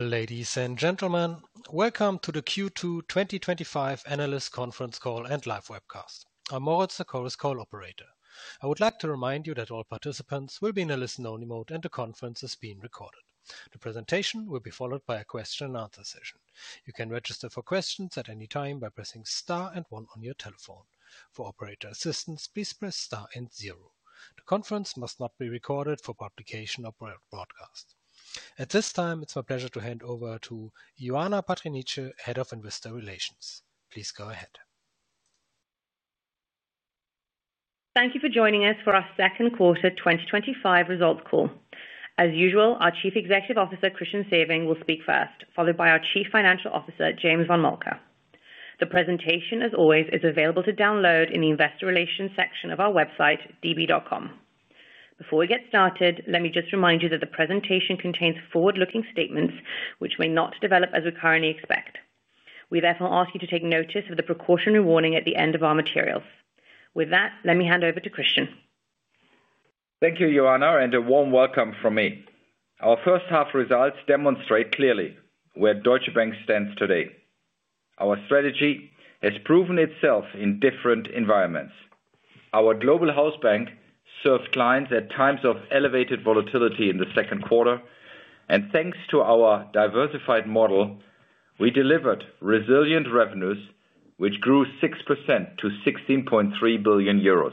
Ladies and gentlemen, welcome to the Q2 2025 Analysts Conference Call and Live Webcast. I'm Moritz, the Chorus Call operator. I would like to remind you that all participants will be in a listen-only mode and the conference is being recorded. The presentation will be followed by a question-and-answer session. You can register for questions at any time by pressing Star and one on your telephone. For operator assistance, please press Star and zero. The conference must not be recorded for publication or broadcast. At this time, it's my pleasure to hand over to Ioana Patriniche, Head of Investor Relations. Please go ahead. Thank you for joining us for our second quarter 2025 results call. As usual, our Chief Executive Officer, Christian Sewing, will speak first, followed by our Chief Financial Officer, James von Moltke. The presentation, as always, is available to download in the Investor Relations section of our website, db.com. Before we get started, let me just remind you that the presentation contains forward-looking statements which may not develop as we currently expect. We therefore ask you to take notice of the precautionary warning at the end of our materials. With that, let me hand over to Christian. Thank you, Ioana, and a warm welcome from me. Our first-half results demonstrate clearly where Deutsche Bank stands today. Our strategy has proven itself in different environments. Our global house bank served clients at times of elevated volatility in the second quarter, and thanks to our diversified model, we delivered resilient revenues which grew 6% to 16.3 billion euros,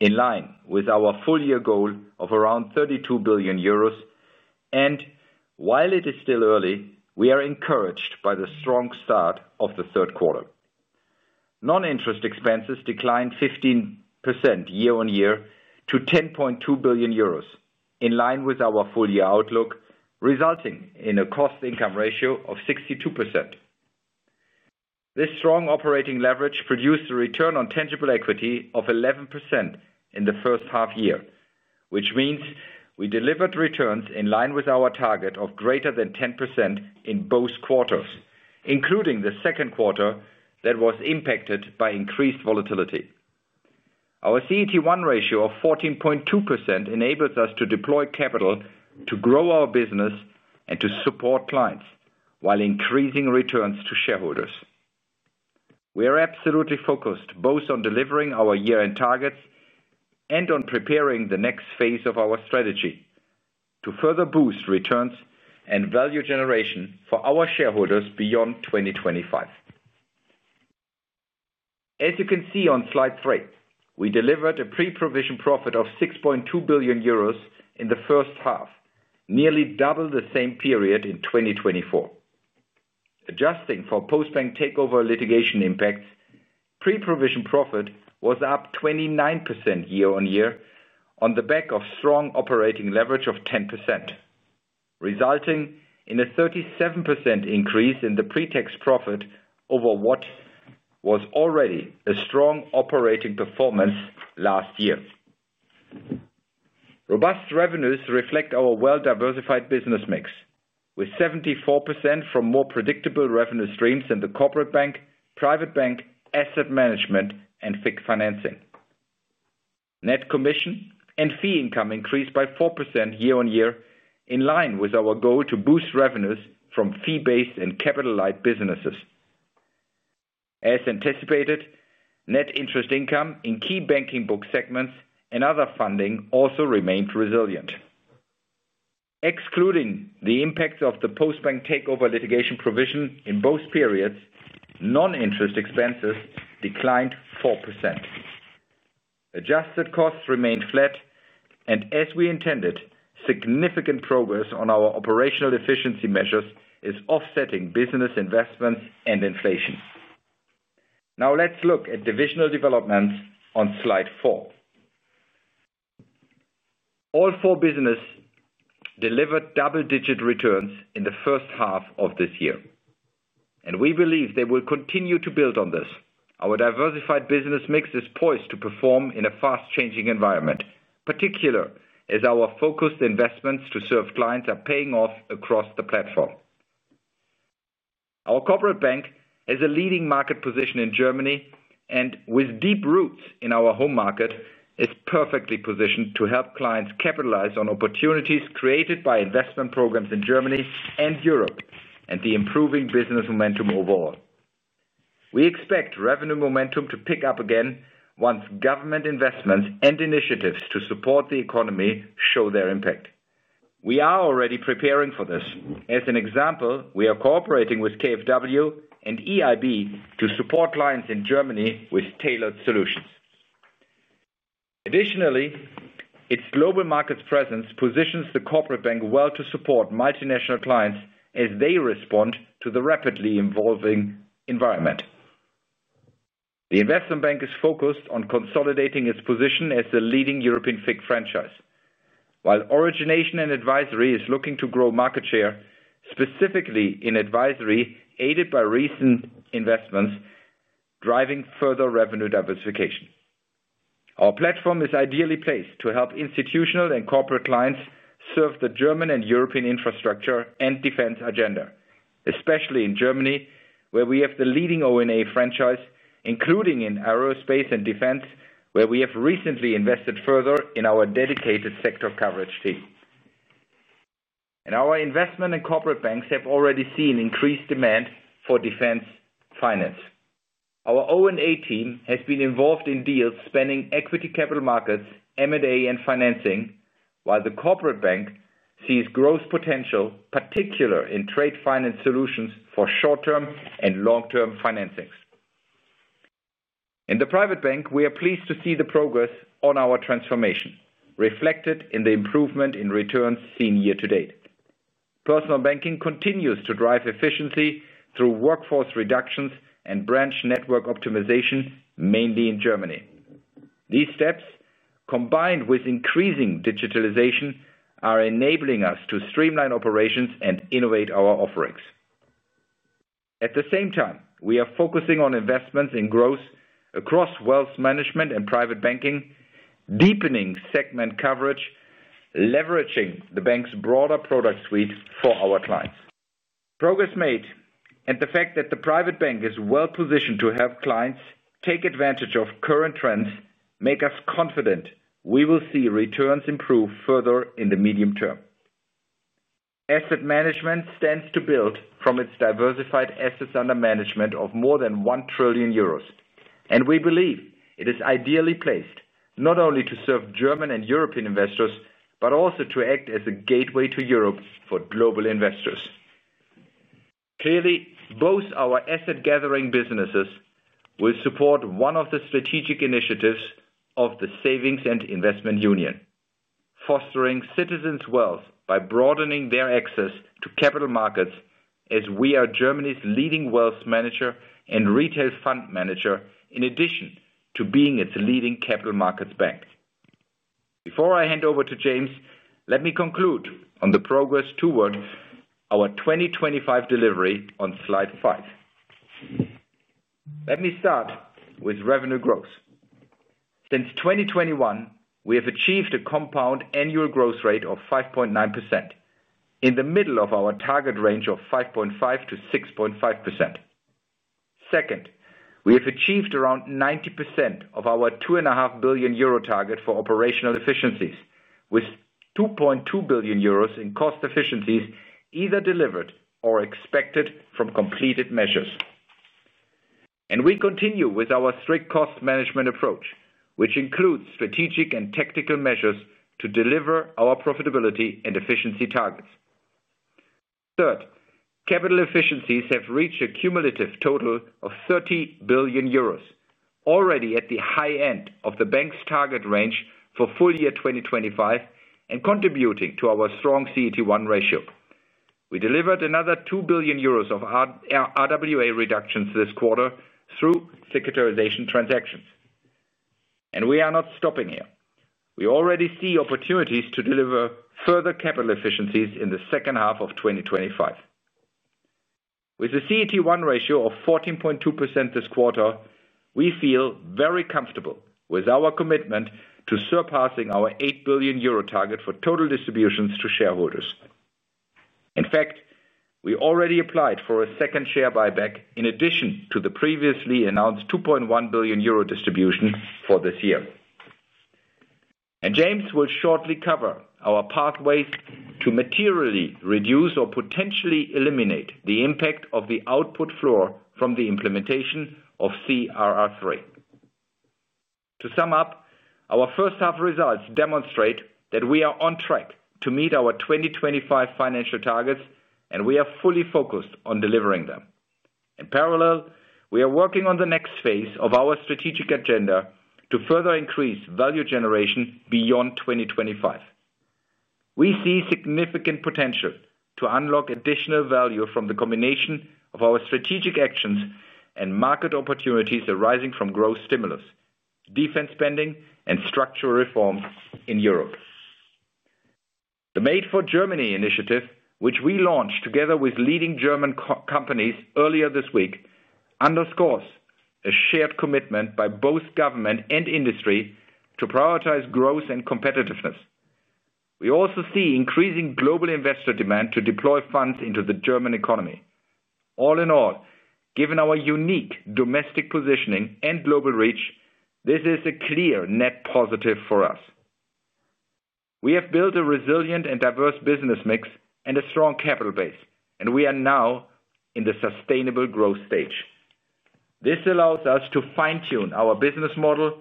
in line with our full-year goal of around 32 billion euros. While it is still early, we are encouraged by the strong start of the third quarter. Non-interest expenses declined 15% year-on-year to 10.2 billion euros, in line with our full-year outlook, resulting in a cost-to-income ratio of 62%. This strong operating leverage produced a return on tangible equity of 11% in the first half year, which means we delivered returns in line with our target of greater than 10% in both quarters, including the second quarter that was impacted by increased volatility. Our CET1 ratio of 14.2% enables us to deploy capital to grow our business and to support clients while increasing returns to shareholders. We are absolutely focused both on delivering our year-end targets and on preparing the next phase of our strategy to further boost returns and value generation for our shareholders beyond 2025. As you can see on slide 3, we delivered a pre-provision profit of 6.2 billion euros in the first half, nearly double the same period in 2023. Adjusting for Postbank takeover litigation impacts, pre-provision profit was up 29% year-on-year on the back of strong operating leverage of 10%, resulting in a 37% increase in the pre-tax profit over what was already a strong operating performance last year. Robust revenues reflect our well-diversified business mix, with 74% from more predictable revenue streams in the corporate bank, private bank, asset management, and fixed financing. Net commission and fee income increased by 4% year-on-year, in line with our goal to boost revenues from fee-based and capital-light businesses. As anticipated, net interest income in key banking book segments and other funding also remained resilient. Excluding the impact of the Postbank takeover litigation provision in both periods, non-interest expenses declined 4%. Adjusted costs remained flat, and as we intended, significant progress on our operational efficiency measures is offsetting business investments and inflation. Now let's look at divisional developments on slide 4. All four business delivered double-digit returns in the first half of this year, and we believe they will continue to build on this. Our diversified business mix is poised to perform in a fast-changing environment, particularly as our focused investments to serve clients are paying off across the platform. Our corporate bank has a leading market position in Germany and, with deep roots in our home market, is perfectly positioned to help clients capitalize on opportunities created by investment programs in Germany and Europe and the improving business momentum overall. We expect revenue momentum to pick up again once government investments and initiatives to support the economy show their impact. We are already preparing for this. As an example, we are cooperating with KfW and EIB to support clients in Germany with tailored solutions. Additionally, its global markets presence positions the corporate bank well to support multinational clients as they respond to the rapidly evolving environment. The investment bank is focused on consolidating its position as the leading European fixed franchise, while Origination and Advisory is looking to grow market share, specifically in advisory aided by recent investments driving further revenue diversification. Our platform is ideally placed to help institutional and corporate clients serve the German and European infrastructure and defense agenda, especially in Germany, where we have the leading O&A franchise, including in aerospace and defense, where we have recently invested further in our dedicated sector coverage team. Our investment and corporate banks have already seen increased demand for defense finance. Our O&A team has been involved in deals spanning equity capital markets, M&A, and financing, while the corporate bank sees growth potential, particularly in trade finance solutions for short-term and long-term financings. In the private bank, we are pleased to see the progress on our transformation, reflected in the improvement in returns seen year-to-date. Personal banking continues to drive efficiency through workforce reductions and branch network optimization, mainly in Germany. These steps, combined with increasing digitalization, are enabling us to streamline operations and innovate our offerings. At the same time, we are focusing on investments in growth across wealth management and private banking, deepening segment coverage, leveraging the bank's broader product suite for our clients. Progress made, and the fact that the private bank is well-positioned to help clients take advantage of current trends makes us confident we will see returns improve further in the medium term. Asset management stands to build from its diversified assets under management of more than 1 trillion euros, and we believe it is ideally placed not only to serve German and European investors but also to act as a gateway to Europe for global investors. Clearly, both our asset-gathering businesses will support one of the strategic initiatives of the Savings and Investment Union. Fostering citizens' wealth by broadening their access to capital markets, as we are Germany's leading wealth manager and retail fund manager in addition to being its leading capital markets bank. Before I hand over to James, let me conclude on the progress toward our 2025 delivery on slide 5. Let me start with revenue growth. Since 2021, we have achieved a compound annual growth rate of 5.9%, in the middle of our target range of 5.5%-6.5%. Second, we have achieved around 90% of our 2.5 billion euro target for operational efficiencies, with 2.2 billion euros in cost efficiencies either delivered or expected from completed measures. We continue with our strict cost management approach, which includes strategic and tactical measures to deliver our profitability and efficiency targets. Third, capital efficiencies have reached a cumulative total of 30 billion euros, already at the high end of the bank's target range for full year 2025 and contributing to our strong CET1 ratio. We delivered another 2 billion euros of RWA reductions this quarter through sectorization transactions. We are not stopping here. We already see opportunities to deliver further capital efficiencies in the second half of 2025. With a CET1 ratio of 14.2% this quarter, we feel very comfortable with our commitment to surpassing our 8 billion euro target for total distributions to shareholders. In fact, we already applied for a second share buyback in addition to the previously announced 2.1 billion euro distribution for this year. James will shortly cover our pathways to materially reduce or potentially eliminate the impact of the Output Floor from the implementation of CRR3. To sum up, our first-half results demonstrate that we are on track to meet our 2025 financial targets, and we are fully focused on delivering them. In parallel, we are working on the next phase of our strategic agenda to further increase value generation beyond 2025. We see significant potential to unlock additional value from the combination of our strategic actions and market opportunities arising from growth stimulus, defense spending, and structural reforms in Europe. The Made for Germany initiative, which we launched together with leading German companies earlier this week, underscores a shared commitment by both government and industry to prioritize growth and competitiveness. We also see increasing global investor demand to deploy funds into the German economy. All in all, given our unique domestic positioning and global reach, this is a clear net positive for us. We have built a resilient and diverse business mix and a strong capital base, and we are now in the sustainable growth stage. This allows us to fine-tune our business model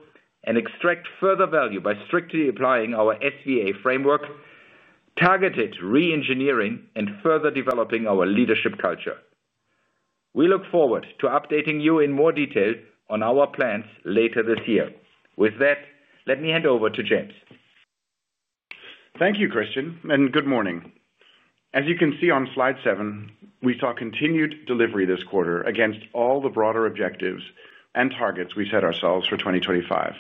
and extract further value by strictly applying our SVA framework, targeted re-engineering, and further developing our leadership culture. We look forward to updating you in more detail on our plans later this year. With that, let me hand over to James. Thank you, Christian, and good morning. As you can see on slide 7, we saw continued delivery this quarter against all the broader objectives and targets we set ourselves for 2025.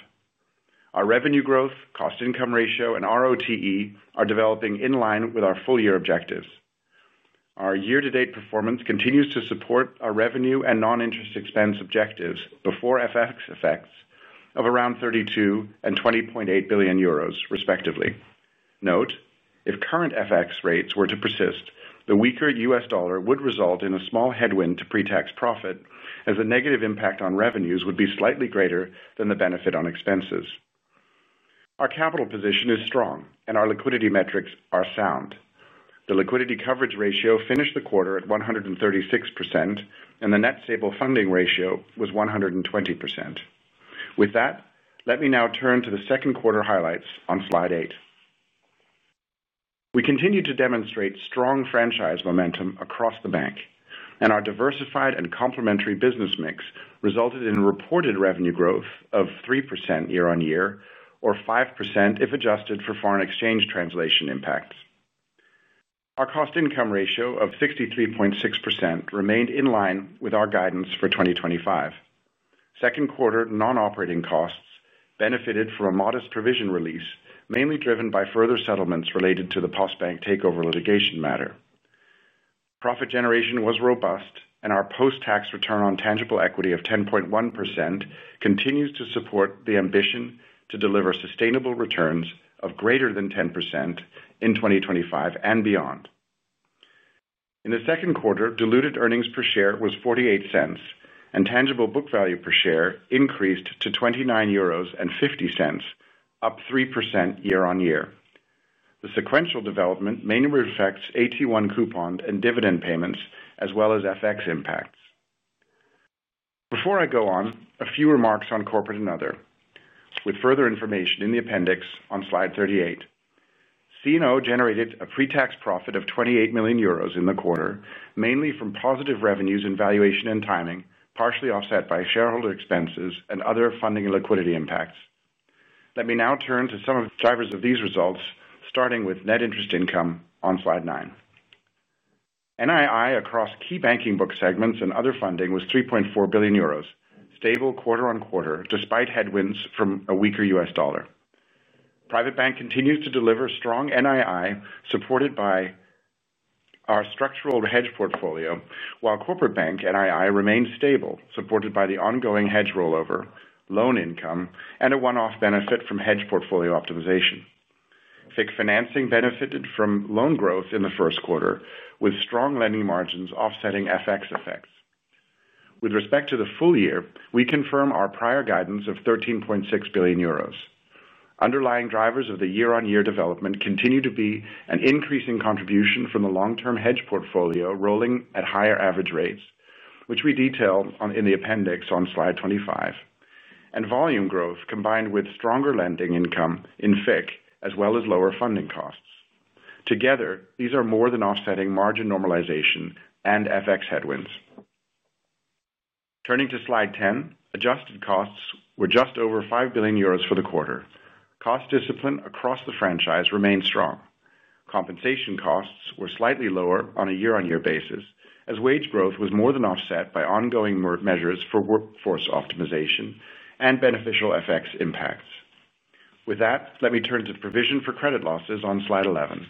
Our revenue growth, cost-to-income ratio, and RoTE are developing in line with our full-year objectives. Our year-to-date performance continues to support our revenue and non-interest expense objectives before FX effects of around 32 billion and 20.8 billion euros, respectively. Note: If current FX rates were to persist, the weaker U.S. dollar would result in a small headwind to pre-tax profit, as the negative impact on revenues would be slightly greater than the benefit on expenses. Our capital position is strong, and our liquidity metrics are sound. The liquidity coverage ratio finished the quarter at 136%, and the net stable funding ratio was 120%. With that, let me now turn to the second quarter highlights on slide 8. We continue to demonstrate strong franchise momentum across the bank, and our diversified and complementary business mix resulted in reported revenue growth of 3% year-on-year, or 5% if adjusted for foreign exchange translation impacts. Our cost-to-income ratio of 63.6% remained in line with our guidance for 2025. Second quarter non-operating costs benefited from a modest provision release, mainly driven by further settlements related to the Postbank takeover litigation matter. Profit generation was robust, and our post-tax return on tangible equity of 10.1% continues to support the ambition to deliver sustainable returns of greater than 10% in 2025 and beyond. In the second quarter, diluted earnings per share was 0.48, and tangible book value per share increased to 29.50 euros, up 3% year-on-year. The sequential development mainly reflects AT1 coupons and dividend payments, as well as FX impacts. Before I go on, a few remarks on corporate and other, with further information in the appendix on slide 38. C&O generated a pre-tax profit of 28 million euros in the quarter, mainly from positive revenues in valuation and timing, partially offset by shareholder expenses and other funding and liquidity impacts. Let me now turn to some of the drivers of these results, starting with net interest income on slide 9. NII across key banking book segments and other funding was 3.4 billion euros, stable quarter on quarter, despite headwinds from a weaker U.S. dollar. Private bank continues to deliver strong NII supported by our structural hedge portfolio, while corporate bank NII remains stable, supported by the ongoing hedge rollover, loan income, and a one-off benefit from hedge portfolio optimization. FIC financing benefited from loan growth in the first quarter, with strong lending margins offsetting FX effects. With respect to the full year, we confirm our prior guidance of 13.6 billion euros. Underlying drivers of the year-on-year development continue to be an increasing contribution from the long-term hedge portfolio rolling at higher average rates, which we detail in the appendix on slide 25, and volume growth combined with stronger lending income in FIC, as well as lower funding costs. Together, these are more than offsetting margin normalization and FX headwinds. Turning to slide 10, adjusted costs were just over 5 billion euros for the quarter. Cost discipline across the franchise remained strong. Compensation costs were slightly lower on a year-on-year basis, as wage growth was more than offset by ongoing measures for workforce optimization and beneficial FX impacts. With that, let me turn to provision for credit losses on slide 11.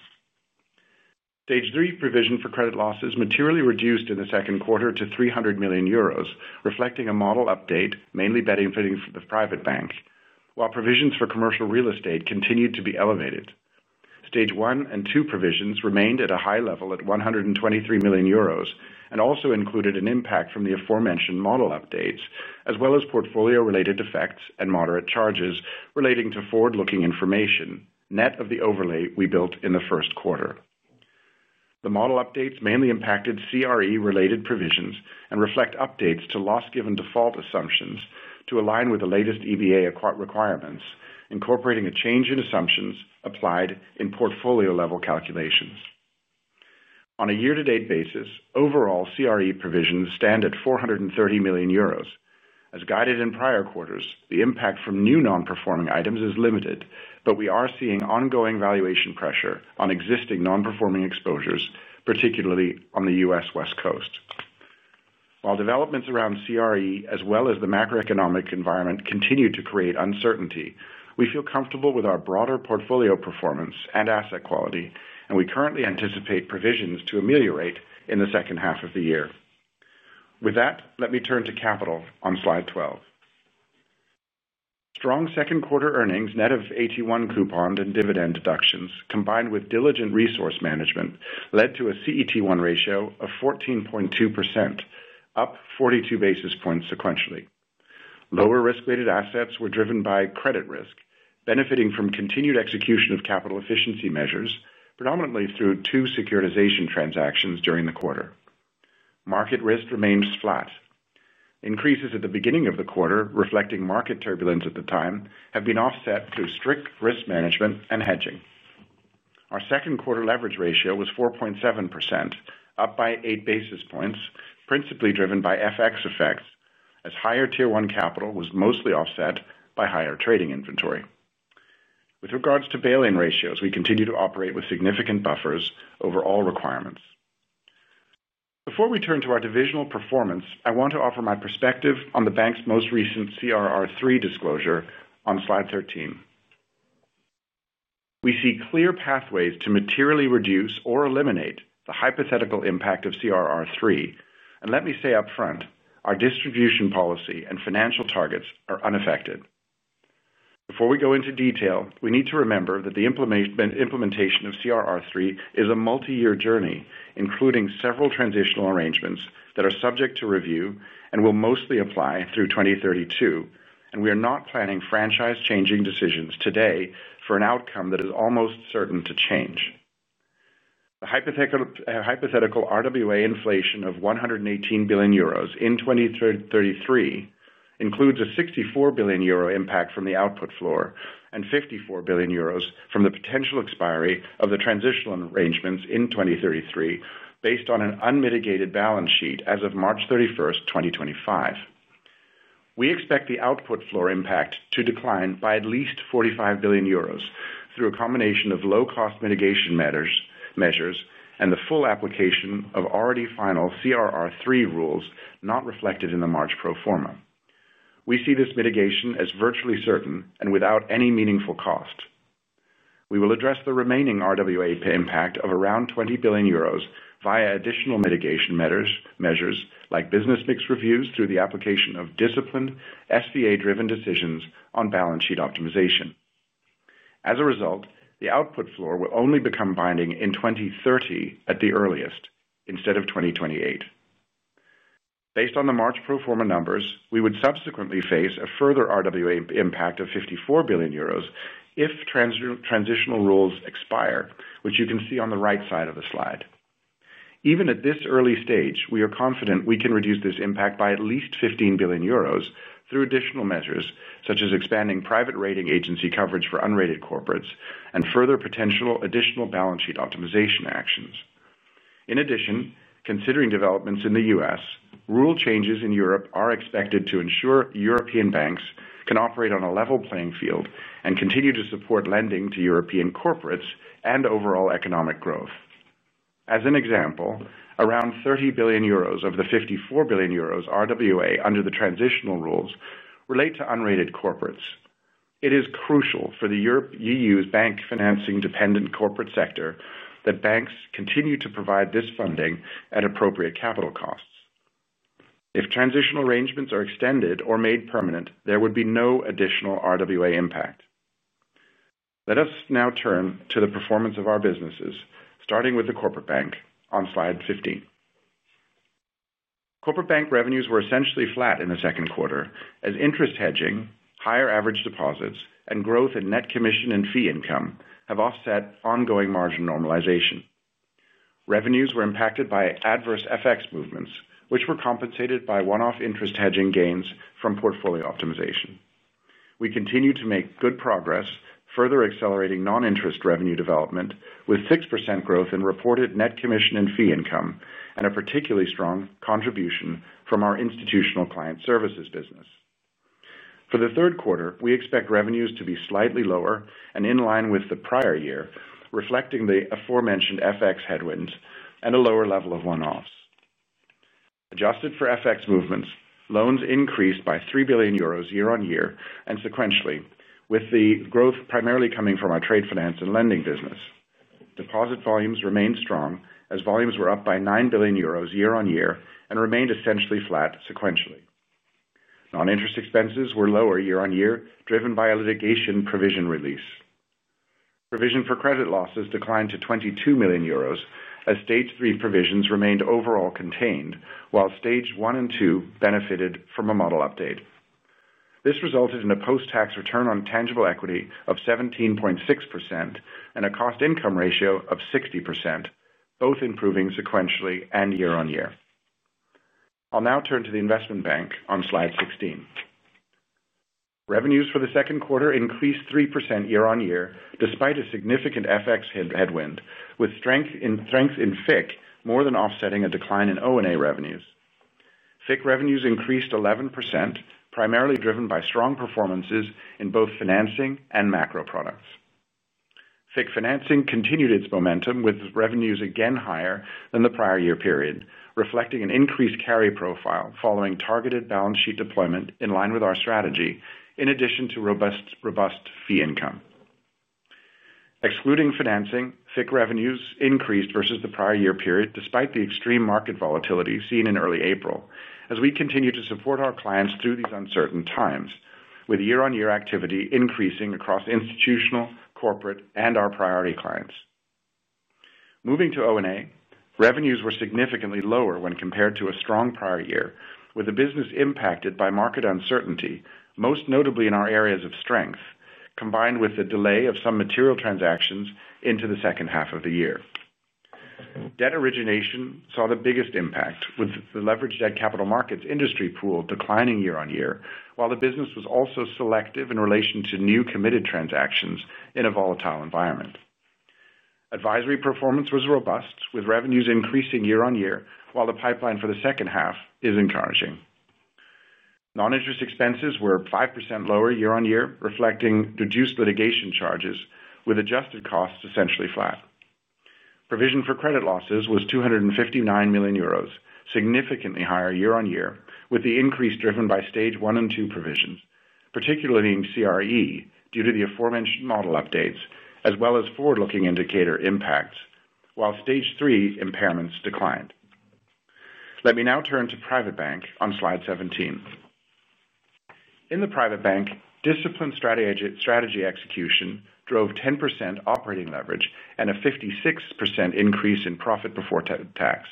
Stage 3 provision for credit losses materially reduced in the second quarter to 300 million euros, reflecting a model update, mainly benefiting the private bank, while provisions for commercial real estate continued to be elevated. Stage 1 and 2 provisions remained at a high level at 123 million euros and also included an impact from the aforementioned model updates, as well as portfolio-related effects and moderate charges relating to forward-looking information net of the overlay we built in the first quarter. The model updates mainly impacted CRE-related provisions and reflect updates to loss given default assumptions to align with the latest EBA requirements, incorporating a change in assumptions applied in portfolio-level calculations. On a year-to-date basis, overall CRE provisions stand at 430 million euros. As guided in prior quarters, the impact from new non-performing items is limited, but we are seeing ongoing valuation pressure on existing non-performing exposures, particularly on the U.S. West Coast. While developments around CRE, as well as the macroeconomic environment, continue to create uncertainty, we feel comfortable with our broader portfolio performance and asset quality, and we currently anticipate provisions to ameliorate in the second half of the year. With that, let me turn to capital on slide 12. Strong second quarter earnings net of AT1 coupons and dividend deductions, combined with diligent resource management, led to a CET1 ratio of 14.2%. Up 42 basis points sequentially. Lower risk-weighted assets were driven by credit risk, benefiting from continued execution of capital efficiency measures, predominantly through two securitization transactions during the quarter. Market risk remained flat. Increases at the beginning of the quarter, reflecting market turbulence at the time, have been offset through strict risk management and hedging. Our second quarter leverage ratio was 4.7%, up by 8 basis points, principally driven by FX effects, as higher tier 1 capital was mostly offset by higher trading inventory. With regards to bail-in ratios, we continue to operate with significant buffers over all requirements. Before we turn to our divisional performance, I want to offer my perspective on the bank's most recent CRR3 disclosure on slide 13. We see clear pathways to materially reduce or eliminate the hypothetical impact of CRR3, and let me say upfront, our distribution policy and financial targets are unaffected. Before we go into detail, we need to remember that the implementation of CRR3 is a multi-year journey, including several transitional arrangements that are subject to review and will mostly apply through 2032, and we are not planning franchise-changing decisions today for an outcome that is almost certain to change. The hypothetical RWA inflation of 118 billion euros in 2033. Includes a 64 billion euro impact from the Output Floor and 54 billion euros from the potential expiry of the transitional arrangements in 2033, based on an unmitigated balance sheet as of March 31, 2025. We expect the Output Floor impact to decline by at least 45 billion euros through a combination of low-cost mitigation measures and the full application of already final CRR3 rules not reflected in the March pro forma. We see this mitigation as virtually certain and without any meaningful cost. We will address the remaining RWA impact of around 20 billion euros via additional mitigation measures like business mix reviews through the application of disciplined, SVA-driven decisions on balance sheet optimization. As a result, the Output Floor will only become binding in 2030 at the earliest, instead of 2028. Based on the March pro forma numbers, we would subsequently face a further RWA impact of 54 billion euros if transitional rules expire, which you can see on the right side of the slide. Even at this early stage, we are confident we can reduce this impact by at least 15 billion euros through additional measures, such as expanding private rating agency coverage for unrated corporates and further potential additional balance sheet optimization actions. In addition, considering developments in the U.S., rule changes in Europe are expected to ensure European banks can operate on a level playing field and continue to support lending to European corporates and overall economic growth. As an example, around 30 billion euros of the 54 billion euros RWA under the transitional rules relate to unrated corporates. It is crucial for the EU's bank financing-dependent corporate sector that banks continue to provide this funding at appropriate capital costs. If transitional arrangements are extended or made permanent, there would be no additional RWA impact. Let us now turn to the performance of our businesses, starting with the corporate bank on slide 15. Corporate bank revenues were essentially flat in the second quarter, as interest hedging, higher average deposits, and growth in net commission and fee income have offset ongoing margin normalization. Revenues were impacted by adverse FX movements, which were compensated by one-off interest hedging gains from portfolio optimization. We continue to make good progress, further accelerating non-interest revenue development with 6% growth in reported net commission and fee income and a particularly strong contribution from our institutional client services business. For the third quarter, we expect revenues to be slightly lower and in line with the prior year, reflecting the aforementioned FX headwinds and a lower level of one-offs. Adjusted for FX movements, loans increased by 3 billion euros year-on-year and sequentially, with the growth primarily coming from our trade finance and lending business. Deposit volumes remained strong, as volumes were up by 9 billion euros year-on-year and remained essentially flat sequentially. Non-interest expenses were lower year-on-year, driven by a litigation provision release. Provision for credit losses declined to 22 million euros, as stage 3 provisions remained overall contained, while stage 1 and 2 benefited from a model update. This resulted in a post-tax return on tangible equity of 17.6% and a cost-to-income ratio of 60%, both improving sequentially and year-on-year. I'll now turn to the investment bank on slide 16. Revenues for the second quarter increased 3% year-on-year, despite a significant FX headwind, with strength in FIC more than offsetting a decline in O&A revenues. FIC revenues increased 11%, primarily driven by strong performances in both financing and macro products. FIC financing continued its momentum, with revenues again higher than the prior year period, reflecting an increased carry profile following targeted balance sheet deployment in line with our strategy, in addition to robust fee income. Excluding financing, FIC revenues increased versus the prior year period, despite the extreme market volatility seen in early April, as we continue to support our clients through these uncertain times, with year-on-year activity increasing across institutional, corporate, and our priority clients. Moving to O&A, revenues were significantly lower when compared to a strong prior year, with the business impacted by market uncertainty, most notably in our areas of strength, combined with the delay of some material transactions into the second half of the year. Debt origination saw the biggest impact, with the leveraged debt capital markets industry pool declining year-on-year, while the business was also selective in relation to new committed transactions in a volatile environment. Advisory performance was robust, with revenues increasing year-on-year, while the pipeline for the second half is encouraging. Non-interest expenses were 5% lower year-on-year, reflecting reduced litigation charges, with adjusted costs essentially flat. Provision for credit losses was 259 million euros, significantly higher year-on-year, with the increase driven by stage 1 and 2 provisions, particularly in CRE due to the aforementioned model updates, as well as forward-looking indicator impacts, while stage 3 impairments declined. Let me now turn to private bank on slide 17. In the private bank, discipline strategy execution drove 10% operating leverage and a 56% increase in profit before tax.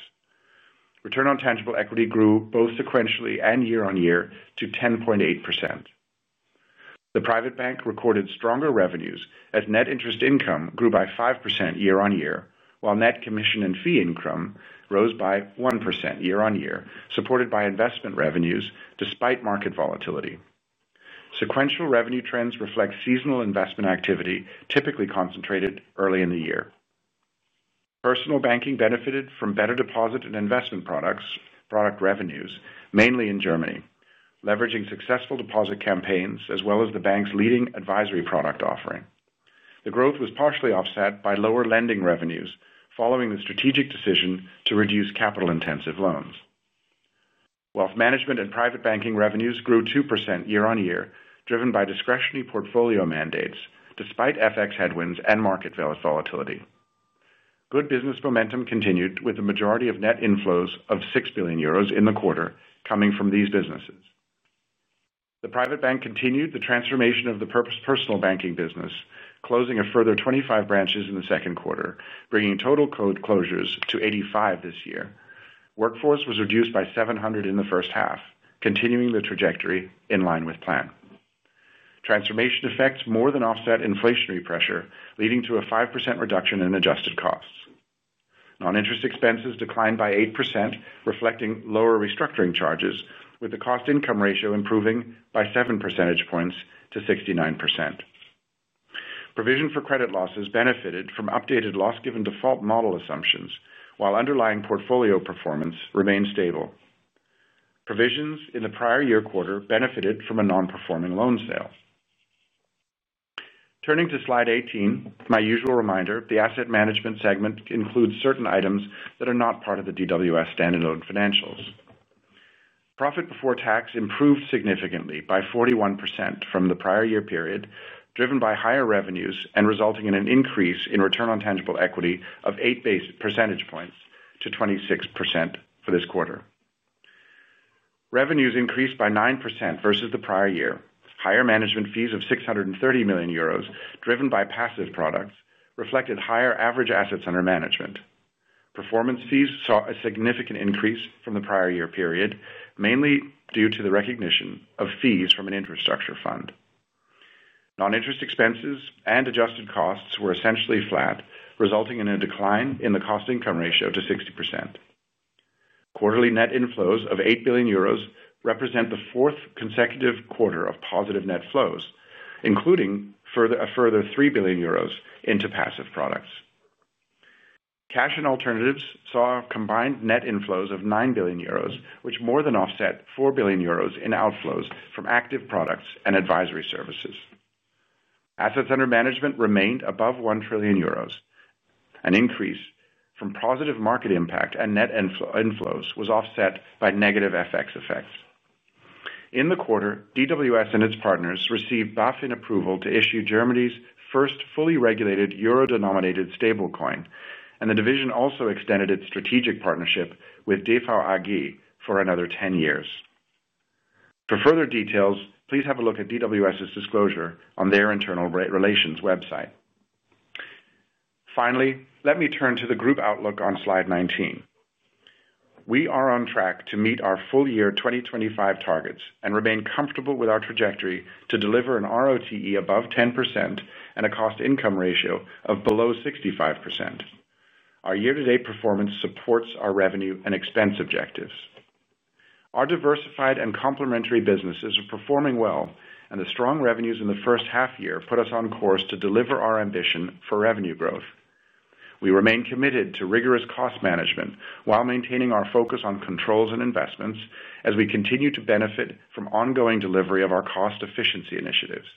Return on tangible equity grew both sequentially and year-on-year to 10.8%. The private bank recorded stronger revenues as net interest income grew by 5% year-on-year, while net commission and fee income rose by 1% year-on-year, supported by investment revenues despite market volatility. Sequential revenue trends reflect seasonal investment activity, typically concentrated early in the year. Personal banking benefited from better deposit and investment products revenues, mainly in Germany, leveraging successful deposit campaigns as well as the bank's leading advisory product offering. The growth was partially offset by lower lending revenues following the strategic decision to reduce capital-intensive loans. Wealth management and private banking revenues grew 2% year-on-year, driven by discretionary portfolio mandates, despite FX headwinds and market volatility. Good business momentum continued with the majority of net inflows of 6 billion euros in the quarter coming from these businesses. The private bank continued the transformation of the personal banking business, closing a further 25 branches in the second quarter, bringing total code closures to 85 this year. Workforce was reduced by 700 in the first half, continuing the trajectory in line with plan. Transformation effects more than offset inflationary pressure, leading to a 5% reduction in adjusted costs. Non-interest expenses declined by 8%, reflecting lower restructuring charges, with the cost-to-income ratio improving by 7 percentage points to 69%. Provision for credit losses benefited from updated loss given default model assumptions, while underlying portfolio performance remained stable. Provisions in the prior year quarter benefited from a non-performing loan sale. Turning to slide 18, my usual reminder, the asset management segment includes certain items that are not part of the DWS stand-alone Financials. Profit before tax improved significantly by 41% from the prior year period, driven by higher revenues and resulting in an increase in return on tangible equity of 8 percentage points to 26% for this quarter. Revenues increased by 9% versus the prior year. Higher management fees of 630 million euros, driven by passive products, reflected higher average assets under management. Performance fees saw a significant increase from the prior year period, mainly due to the recognition of fees from an infrastructure fund. Non-interest expenses and adjusted costs were essentially flat, resulting in a decline in the cost-to-income ratio to 60%. Quarterly net inflows of 8 billion euros represent the fourth consecutive quarter of positive net flows, including a further 3 billion euros into passive products. Cash and alternatives saw combined net inflows of 9 billion euros, which more than offset 4 billion euros in outflows from active products and advisory services. Assets under management remained above 1 trillion euros. An increase from positive market impact and net inflows was offset by negative FX effects. In the quarter, DWS and its partners received BaFin approval to issue Germany's first fully regulated euro-denominated stablecoin, and the division also extended its strategic partnership with [DVAG] for another 10 years. For further details, please have a look at DWS's disclosure on their internal relations website. Finally, let me turn to the group outlook on slide 19. We are on track to meet our full year 2025 targets and remain comfortable with our trajectory to deliver an RoTE above 10% and a cost-to-income ratio of below 65%. Our year-to-date performance supports our revenue and expense objectives. Our diversified and complementary businesses are performing well, and the strong revenues in the first half year put us on course to deliver our ambition for revenue growth. We remain committed to rigorous cost management while maintaining our focus on controls and investments, as we continue to benefit from ongoing delivery of our cost efficiency initiatives.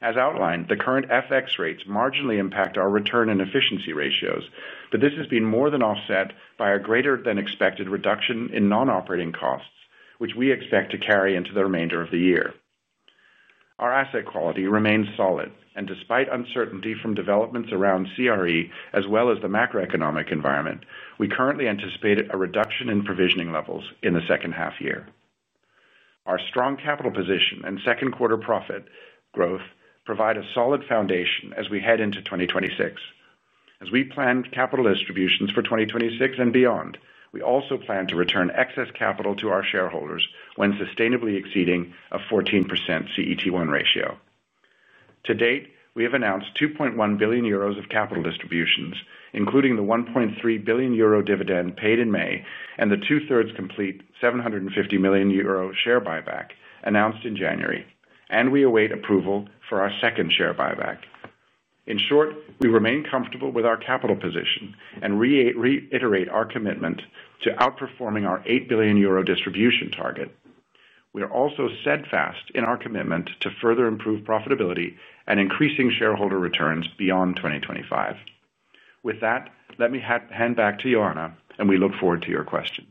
As outlined, the current FX rates marginally impact our return and efficiency ratios, but this has been more than offset by a greater-than-expected reduction in non-operating costs, which we expect to carry into the remainder of the year. Our asset quality remains solid, and despite uncertainty from developments around CRE as well as the macroeconomic environment, we currently anticipate a reduction in provisioning levels in the second half year. Our strong capital position and second quarter profit growth provide a solid foundation as we head into 2026. As we plan capital distributions for 2026 and beyond, we also plan to return excess capital to our shareholders when sustainably exceeding a 14% CET1 ratio. To date, we have announced 2.1 billion euros of capital distributions, including the 1.3 billion euro dividend paid in May and the two-thirds complete 750 million euro share buyback announced in January, and we await approval for our second share buyback. In short, we remain comfortable with our capital position and reiterate our commitment to outperforming our 8 billion euro distribution target. We are also steadfast in our commitment to further improve profitability and increasing shareholder returns beyond 2025. With that, let me hand back to Ioana, and we look forward to your questions.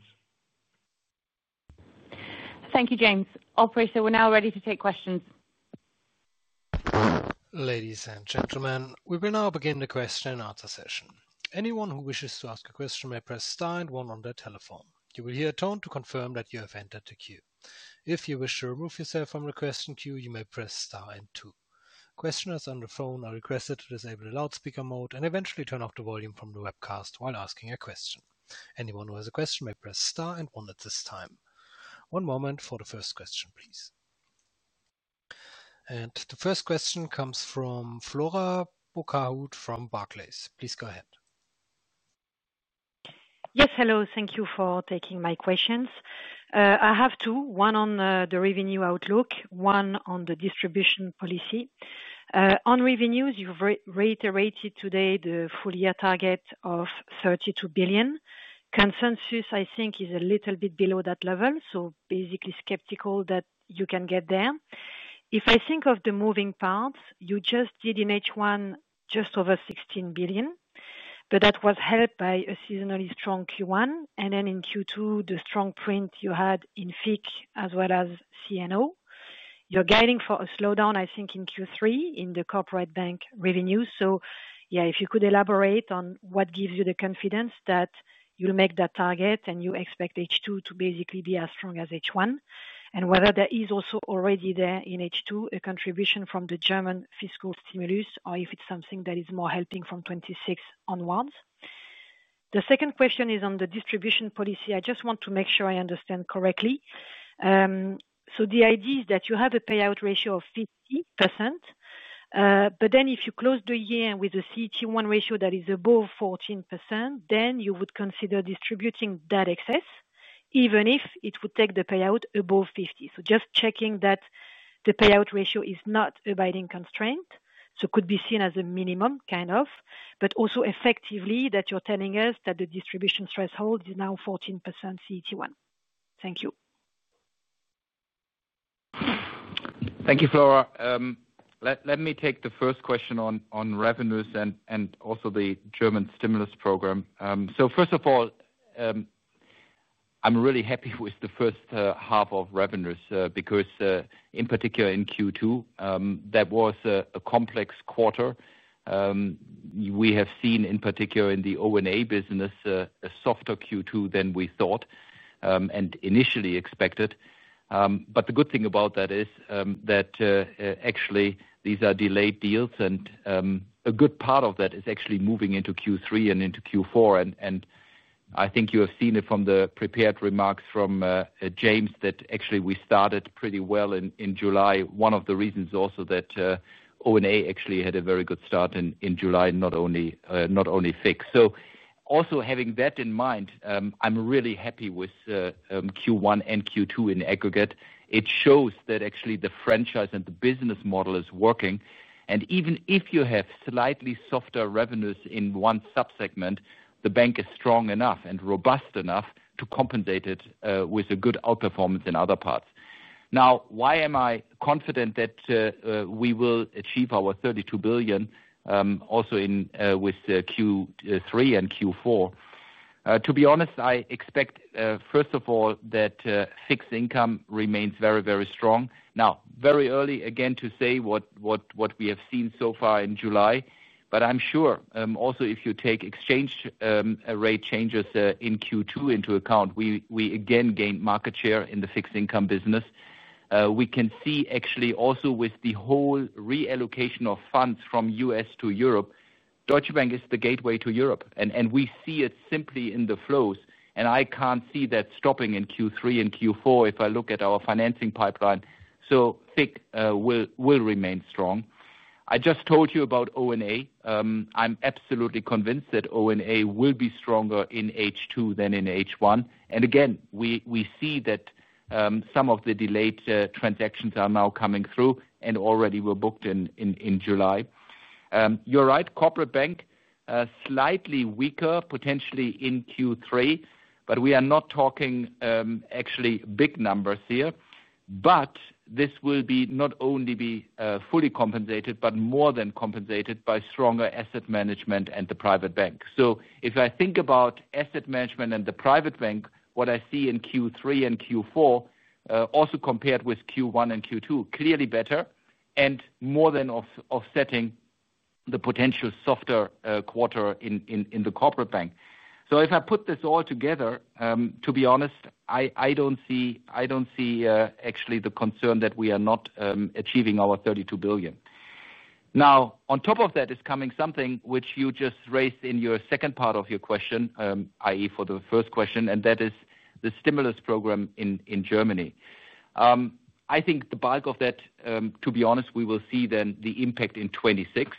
Thank you, James. Operator, we're now ready to take questions. Ladies and gentlemen, we will now begin the question and answer session. Anyone who wishes to ask a question may press Star and one on their telephone. You will hear a tone to confirm that you have entered the queue. If you wish to remove yourself from the question queue, you may press Star and two. Questioners on the phone are requested to disable the loudspeaker mode and eventually turn off the volume from the webcast while asking a question. Anyone who has a question may press Star and one at this time. One moment for the first question, please. The first question comes from Flora Bocahut from Barclays. Please go ahead. Yes, hello. Thank you for taking my questions. I have two, one on the revenue outlook, one on the distribution policy. On revenues, you've reiterated today the full year target of 32 billion. Consensus, I think, is a little bit below that level, so basically skeptical that you can get there. If I think of the moving parts, you just did in H1 just over 16 billion, but that was helped by a seasonally strong Q1, and then in Q2, the strong print you had in FIC as well as C&O. You're guiding for a slowdown, I think, in Q3 in the corporate bank revenues. If you could elaborate on what gives you the confidence that you'll make that target and you expect H2 to basically be as strong as H1, and whether there is also already there in H2 a contribution from the German fiscal stimulus or if it's something that is more helping from 2026 onwards. The second question is on the distribution policy. I just want to make sure I understand correctly. The idea is that you have a payout ratio of 50%. If you close the year with a CET1 ratio that is above 14%, then you would consider distributing that excess, even if it would take the payout above 50%. Just checking that the payout ratio is not a binding constraint, so it could be seen as a minimum, kind of, but also effectively that you're telling us that the distribution threshold is now 14% CET1. Thank you. Thank you, Flora. Let me take the first question on revenues and also the German stimulus program. First of all, I'm really happy with the first half of revenues because, in particular in Q2, that was a complex quarter. We have seen, in particular in the O&A business, a softer Q2 than we thought and initially expected. The good thing about that is that actually these are delayed deals, and a good part of that is actually moving into Q3 and into Q4. I think you have seen it from the prepared remarks from James that actually we started pretty well in July. One of the reasons also that O&A actually had a very good start in July, not only FIC. Also having that in mind, I'm really happy with Q1 and Q2 in aggregate. It shows that actually the franchise and the business model is working. Even if you have slightly softer revenues in one subsegment, the bank is strong enough and robust enough to compensate it with a good outperformance in other parts. Now, why am I confident that we will achieve our 32 billion also with Q3 and Q4? To be honest, I expect, first of all, that fixed income remains very, very strong. Very early again to say what we have seen so far in July, but I'm sure also if you take exchange rate changes in Q2 into account, we again gained market share in the fixed income business. We can see actually also with the whole reallocation of funds from U.S. to Europe, Deutsche Bank is the gateway to Europe, and we see it simply in the flows. I can't see that stopping in Q3 and Q4 if I look at our financing pipeline. FIC will remain strong. I just told you about O&A. I'm absolutely convinced that O&A will be stronger in H2 than in H1. Again, we see that some of the delayed transactions are now coming through and already were booked in July. You're right, corporate bank slightly weaker potentially in Q3, but we are not talking actually big numbers here. This will not only be fully compensated, but more than compensated by stronger asset management and the private bank. If I think about asset management and the private bank, what I see in Q3 and Q4, also compared with Q1 and Q2, clearly better and more than offsetting the potential softer quarter in the corporate bank. If I put this all together, to be honest, I don't see actually the concern that we are not achieving our 32 billion. Now, on top of that is coming something which you just raised in your second part of your question, i.e., for the first question, and that is the stimulus program in Germany. I think the bulk of that, to be honest, we will see then the impact in 2026.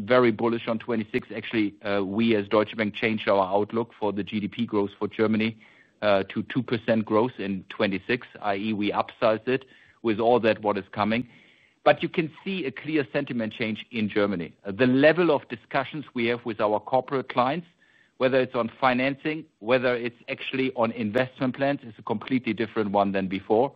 Very bullish on 2026. Actually, we as Deutsche Bank changed our outlook for the GDP growth for Germany to 2% growth in 2026, i.e., we upsized it with all that what is coming. You can see a clear sentiment change in Germany. The level of discussions we have with our corporate clients, whether it is on financing, whether it is actually on investment plans, is a completely different one than before.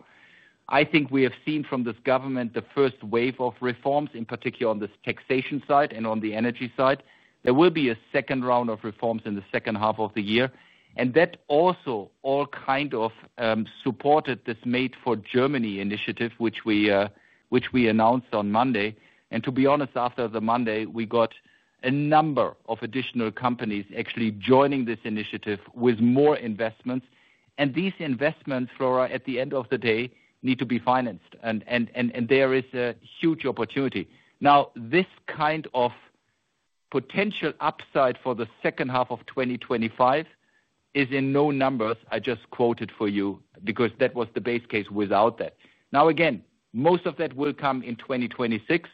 I think we have seen from this government the first wave of reforms, in particular on the taxation side and on the energy side. There will be a second round of reforms in the second half of the year. That also all kind of supported this Made for Germany initiative, which we announced on Monday. To be honest, after the Monday, we got a number of additional companies actually joining this initiative with more investments. These investments, Flora, at the end of the day, need to be financed. There is a huge opportunity. This kind of potential upside for the second half of 2025 is in no numbers I just quoted for you because that was the base case without that. Again, most of that will come in 2026.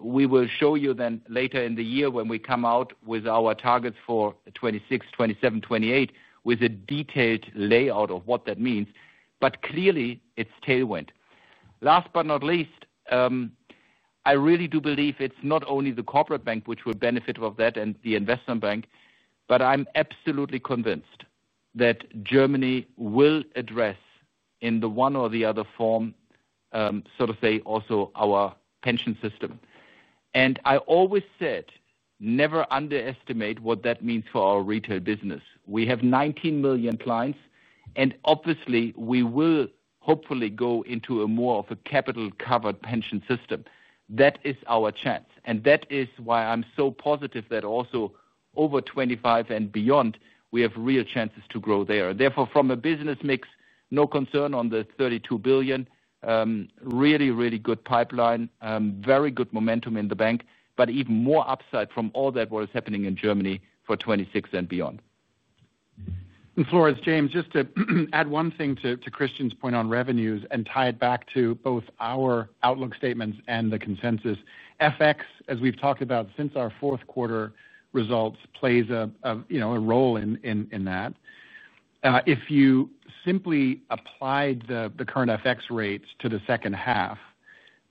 We will show you then later in the year when we come out with our targets for 2026, 2027, 2028 with a detailed layout of what that means. Clearly, it is tailwind. Last but not least, I really do believe it is not only the corporate bank which will benefit from that and the investment bank, but I am absolutely convinced that Germany will address in the one or the other form, so to say, also our pension system. I always said, never underestimate what that means for our retail business. We have 19 million clients. Obviously, we will hopefully go into more of a capital-covered pension system. That is our chance. That is why I am so positive that also over 2025 and beyond, we have real chances to grow there. Therefore, from a business mix, no concern on the 32 billion. Really, really good pipeline, very good momentum in the bank, but even more upside from all that what is happening in Germany for 2026 and beyond. Flora, James, just to add one thing to Christian's point on revenues and tie it back to both our outlook statements and the consensus. FX, as we have talked about since our fourth quarter results, plays a role in that. If you simply applied the current FX rates to the second half,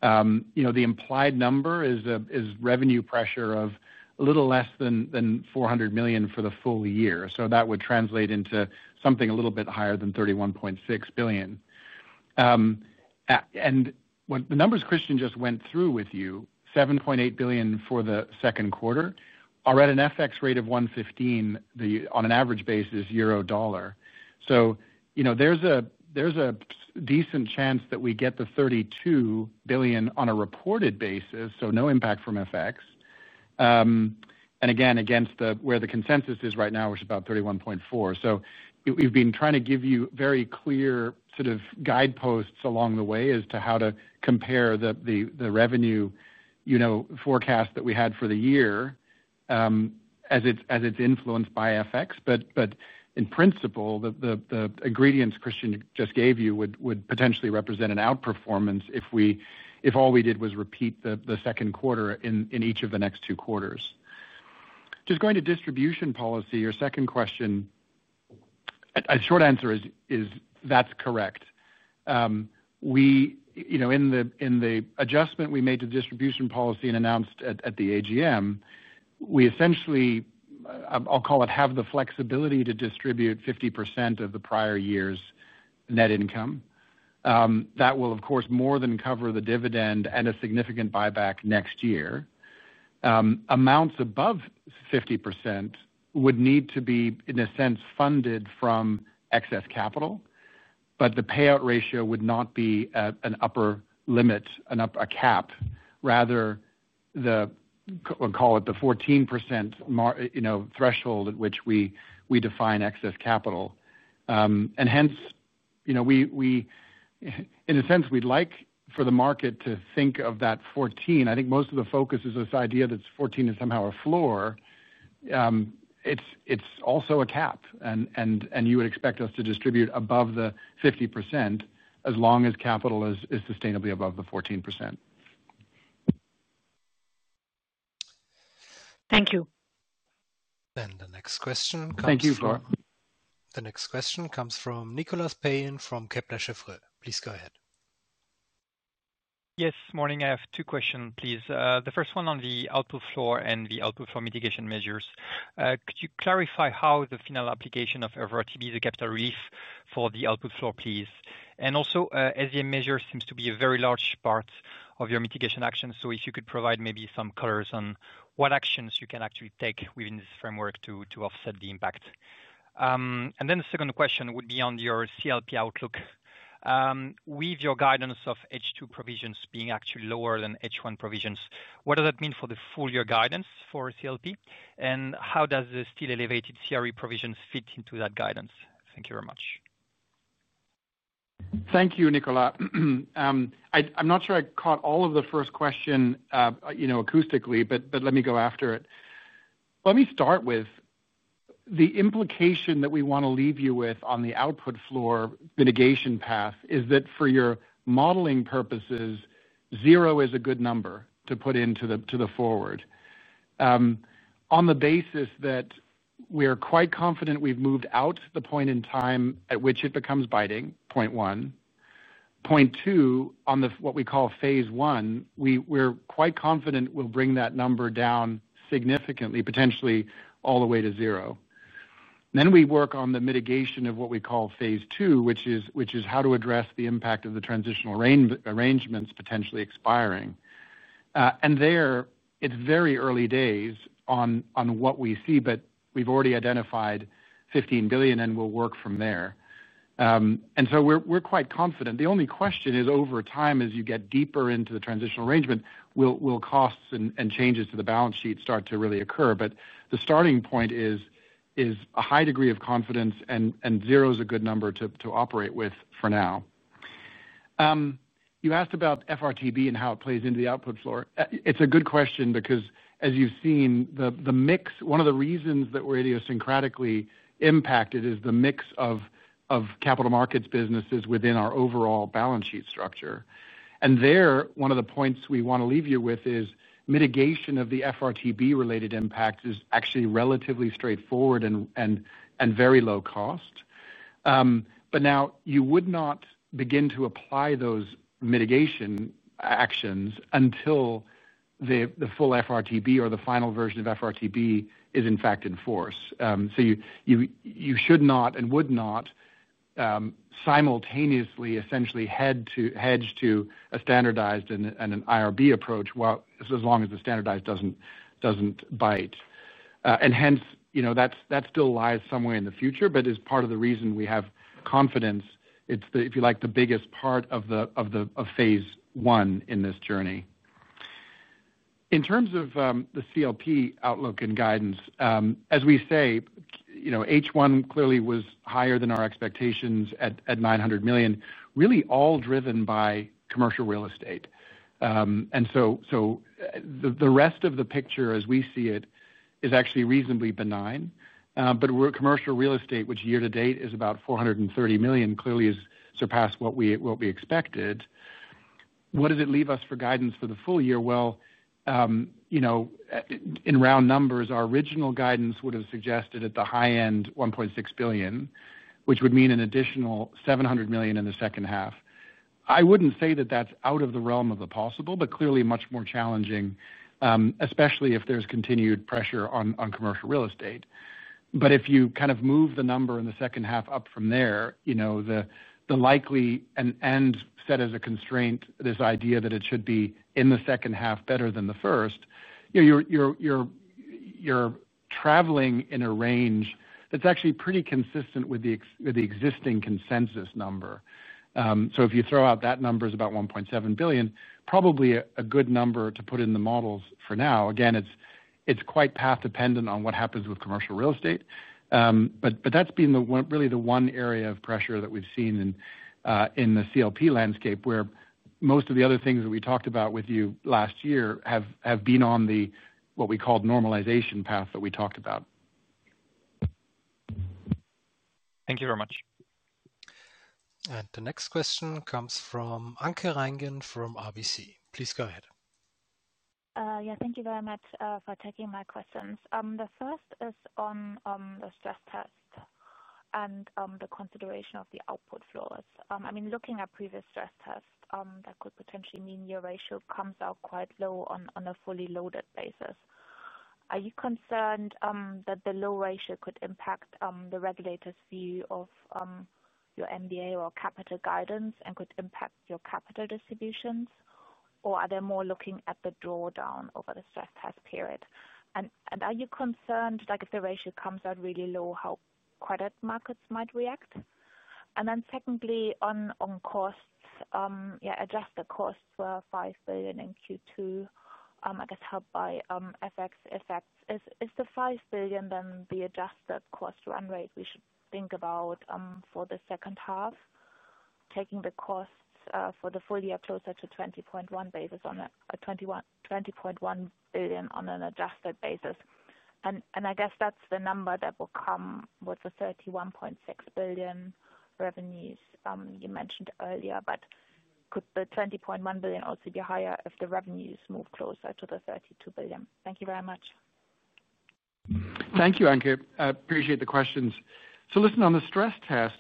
the implied number is revenue pressure of a little less than 400 million for the full year. That would translate into something a little bit higher than 31.6 billion. The numbers Christian just went through with you, 7.8 billion for the second quarter, are at an FX rate of 1.15 on an average basis, euro dollar. There is a decent chance that we get the 32 billion on a reported basis, so no impact from FX. Again, where the consensus is right now is about 31.4 billion. We have been trying to give you very clear sort of guideposts along the way as to how to compare the revenue forecast that we had for the year as it is influenced by FX. In principle, the ingredients Christian just gave you would potentially represent an outperformance if all we did was repeat the second quarter in each of the next two quarters. Going to distribution policy, your second question. Short answer is that's correct. In the adjustment we made to distribution policy and announced at the AGM, we essentially, I'll call it, have the flexibility to distribute 50% of the prior year's net income. That will, of course, more than cover the dividend and a significant buyback next year. Amounts above 50% would need to be, in a sense, funded from excess capital, but the payout ratio would not be an upper limit, a cap. Rather, we will call it the 14% threshold at which we define excess capital. In a sense, we would like for the market to think of that 14%. I think most of the focus is this idea that 14% is somehow a floor. It is also a cap, and you would expect us to distribute above the 50% as long as capital is sustainably above the 14%. Thank you. The next question comes from. Thank you, Flora. The next question comes from Nicolas Payen from Kepler Cheuvreux. Please go ahead. Yes, morning. I have two questions, please. The first one on the Output Floor and the Output Floor mitigation measures. Could you clarify how the final application of [EURO TB], the capital relief for the Output Floor, please? Also, as the measure seems to be a very large part of your mitigation actions, if you could provide maybe some colors on what actions you can actually take within this framework to offset the impact. The second question would be on your CLP outlook. With your guidance of H2 provisions being actually lower than H1 provisions, what does that mean for the full year guidance for CLP? How does the still elevated CRE provisions fit into that guidance? Thank you very much. Thank you, Nicolas. I'm not sure I caught all of the first question acoustically, but let me go after it. Let me start with the implication that we want to leave you with on the Output Floor mitigation path, which is that for your modeling purposes, zero is a good number to put into the forward. On the basis that we are quite confident we have moved out the point in time at which it becomes biding, point one. Point two, on what we call phase one, we are quite confident we will bring that number down significantly, potentially all the way to zero. Then we work on the mitigation of what we call phase two, which is how to address the impact of the transitional arrangements potentially expiring. There, it is very early days on what we see, but we have already identified 15 billion and we will work from there. We are quite confident. The only question is over time, as you get deeper into the transitional arrangement, will costs and changes to the balance sheet start to really occur? The starting point is a high degree of confidence, and zero is a good number to operate with for now. You asked about FRTB and how it plays into the Output Floor. it is a good question because, as you have seen, one of the reasons that we are idiosyncratically impacted is the mix of capital markets businesses within our overall balance sheet structure. One of the points we want to leave you with is mitigation of the FRTB-related impact is actually relatively straightforward and very low cost. You would not begin to apply those mitigation actions until the full FRTB or the final version of FRTB is, in fact, in force. You should not and would not simultaneously essentially hedge to a standardized and an IRB approach as long as the standardized does not bite. That still lies somewhere in the future, but is part of the reason we have confidence, if you like, the biggest part of phase one in this journey. In terms of the CLP outlook and guidance, as we say, H1 clearly was higher than our expectations at 900 million, really all driven by commercial real estate. The rest of the picture, as we see it, is actually reasonably benign. Commercial real estate, which year-to-date is about 430 million, clearly has surpassed what we expected. What does it leave us for guidance for the full year? In round numbers, our original guidance would have suggested at the high end, 1.6 billion, which would mean an additional 700 million in the second half. I would not say that is out of the realm of the possible, but clearly much more challenging, especially if there is continued pressure on commercial real estate. If you kind of move the number in the second half up from there, the likely end set as a constraint, this idea that it should be in the second half better than the first, you are traveling in a range that is actually pretty consistent with the existing consensus number. If you throw out that number, it is about 1.7 billion, probably a good number to put in the models for now. Again, it is quite path-dependent on what happens with commercial real estate. That has been really the one area of pressure that we have seen in the CLP landscape where most of the other things that we talked about with you last year have been on what we called the normalization path that we talked about. Thank you very much. The next question comes from Anke Reingen from RBC. Please go ahead. Yeah, thank you very much for taking my questions. The first is on the stress test and the consideration of the Output Floors. I mean, looking at previous stress tests, that could potentially mean your ratio comes out quite low on a fully loaded basis. Are you concerned that the low ratio could impact the regulator's view of your MDA or capital guidance and could impact your capital distributions? Or are they more looking at the drawdown over the stress test period? Are you concerned if the ratio comes out really low, how credit markets might react? Then secondly, on costs, yeah, adjusted costs for 5 billion in Q2, I guess, held by FX effects. Is the 5 billion then the adjusted cost run rate we should think about for the second half, taking the costs for the full year closer to 20.1 billion on an adjusted basis? I guess that is the number that will come with the 31.6 billion revenues you mentioned earlier. But could the 20.1 billion also be higher if the revenues move closer to 32 billion? Thank you very much. Thank you, Anke. I appreciate the questions. Listen, on the stress test,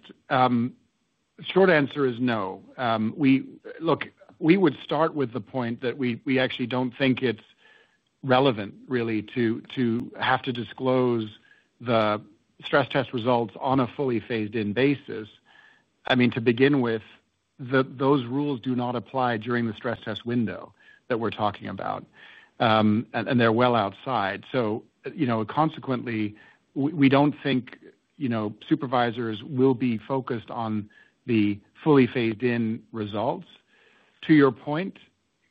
short answer is no. Look, we would start with the point that we actually do not think it is relevant, really, to have to disclose the stress test results on a fully phased-in basis. I mean, to begin with, those rules do not apply during the stress test window that we are talking about, and they are well outside. Consequently, we do not think supervisors will be focused on the fully phased-in results. To your point,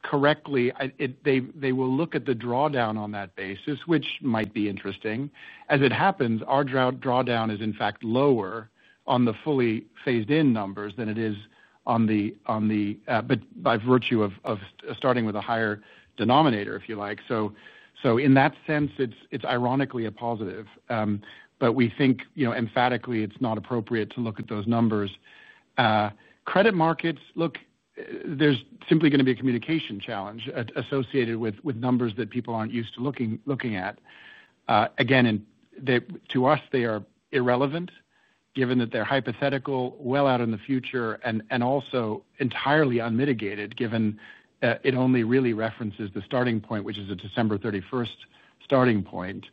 correctly, they will look at the drawdown on that basis, which might be interesting. As it happens, our drawdown is, in fact, lower on the fully phased-in numbers than it is on the, by virtue of starting with a higher denominator, if you like. In that sense, it is ironically a positive. We think emphatically it is not appropriate to look at those numbers. Credit markets, look, there is simply going to be a communication challenge associated with numbers that people are not used to looking at. Again, to us, they are irrelevant, given that they are hypothetical, well out in the future, and also entirely unmitigated, given it only really references the starting point, which is a December 31 starting point.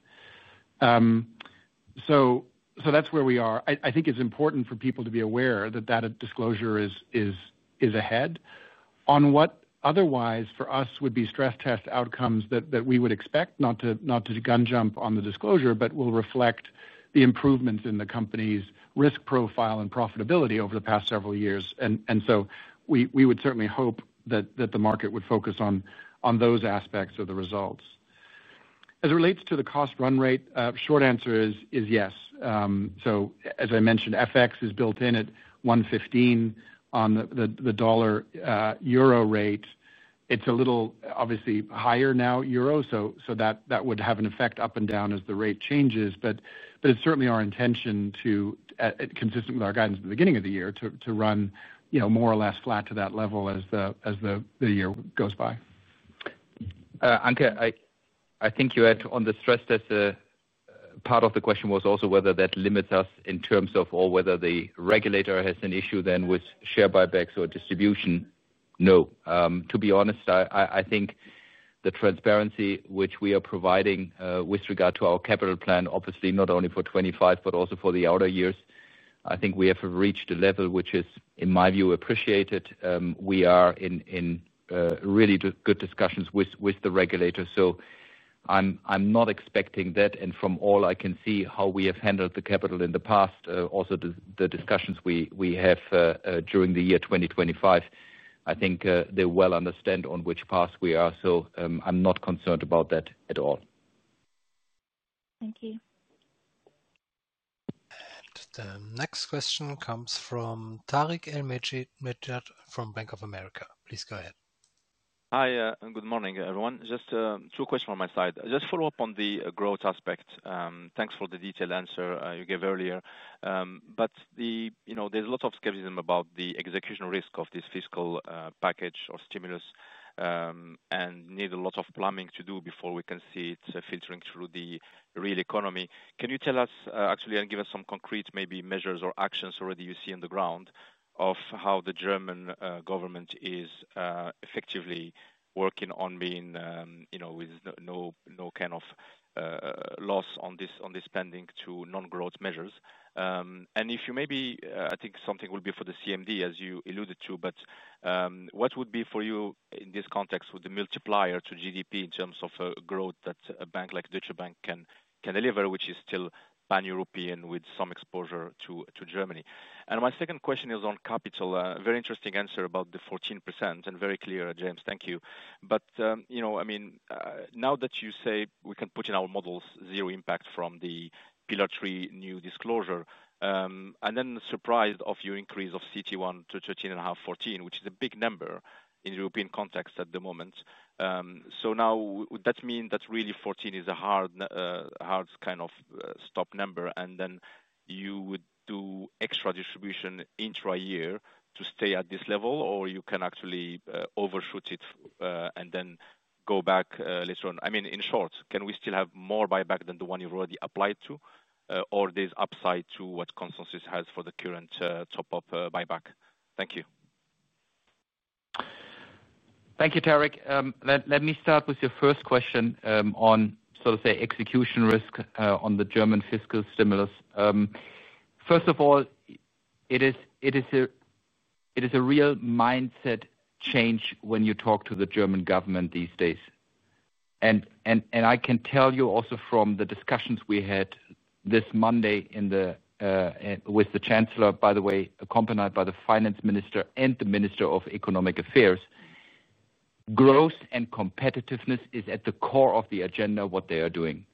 That is where we are. I think it is important for people to be aware that that disclosure is ahead. On what otherwise for us would be stress test outcomes that we would expect, not to gun jump on the disclosure, but will reflect the improvements in the company's risk profile and profitability over the past several years. We would certainly hope that the market would focus on those aspects of the results. As it relates to the cost run rate, short answer is yes. As I mentioned, FX is built in at 1.15 on the dollar-euro rate, it's a little, obviously, higher now, euro. That would have an effect up and down as the rate changes. It is certainly our intention to, consistent with our guidance at the beginning of the year, to run more or less flat to that level as the year goes by. Anke, I think you add on the stress test. Part of the question was also whether that limits us in terms of whether the regulator has an issue then with share buybacks or distribution. No. To be honest, I think the transparency which we are providing with regard to our capital plan, obviously, not only for 2025 but also for the outer years, I think we have reached a level which is, in my view, appreciated. We are in really good discussions with the regulator. I am not expecting that. From all I can see, how we have handled the capital in the past, also the discussions we have during the year 2025, I think they well understand on which path we are. I am not concerned about that at all. Thank you. The next question comes from Tarik El Mejjad from Bank of America. Please go ahead. Hi, and good morning, everyone. Just two questions on my side. Just follow up on the growth aspect. Thanks for the detailed answer you gave earlier. There is a lot of skepticism about the execution risk of this fiscal package or stimulus. Need a lot of plumbing to do before we can see it filtering through the real economy. Can you tell us, actually, and give us some concrete maybe measures or actions already you see on the ground of how the German government is effectively working on being, with no kind of loss on this spending to non-growth measures? If you maybe, I think something will be for the CMD, as you alluded to, but what would be for you in this context with the multiplier to GDP in terms of growth that a bank like Deutsche Bank can deliver, which is still pan-European with some exposure to Germany? My second question is on capital. A very interesting answer about the 14% and very clear, James. Thank you. I mean, now that you say we can put in our models zero impact from the Pillar Three new disclosure. I am then surprised of your increase of CET1 to 13.5%, 14%, which is a big number in the European context at the moment. Now, would that mean that really 14% is a hard kind of stop number? And then you would do extra distribution intra year to stay at this level, or you can actually overshoot it and then go back later on? I mean, in short, can we still have more buyback than the one you've already applied to? Or there's upside to what consensus has for the current top-up buyback? Thank you. Thank you, Tarik. Let me start with your first question on, so to say, execution risk on the German fiscal stimulus. First of all, it is a real mindset change when you talk to the German government these days. I can tell you also from the discussions we had this Monday with the Chancellor, by the way, accompanied by the Finance Minister and the Minister of Economic Affairs. Growth and competitiveness is at the core of the agenda what they are doing.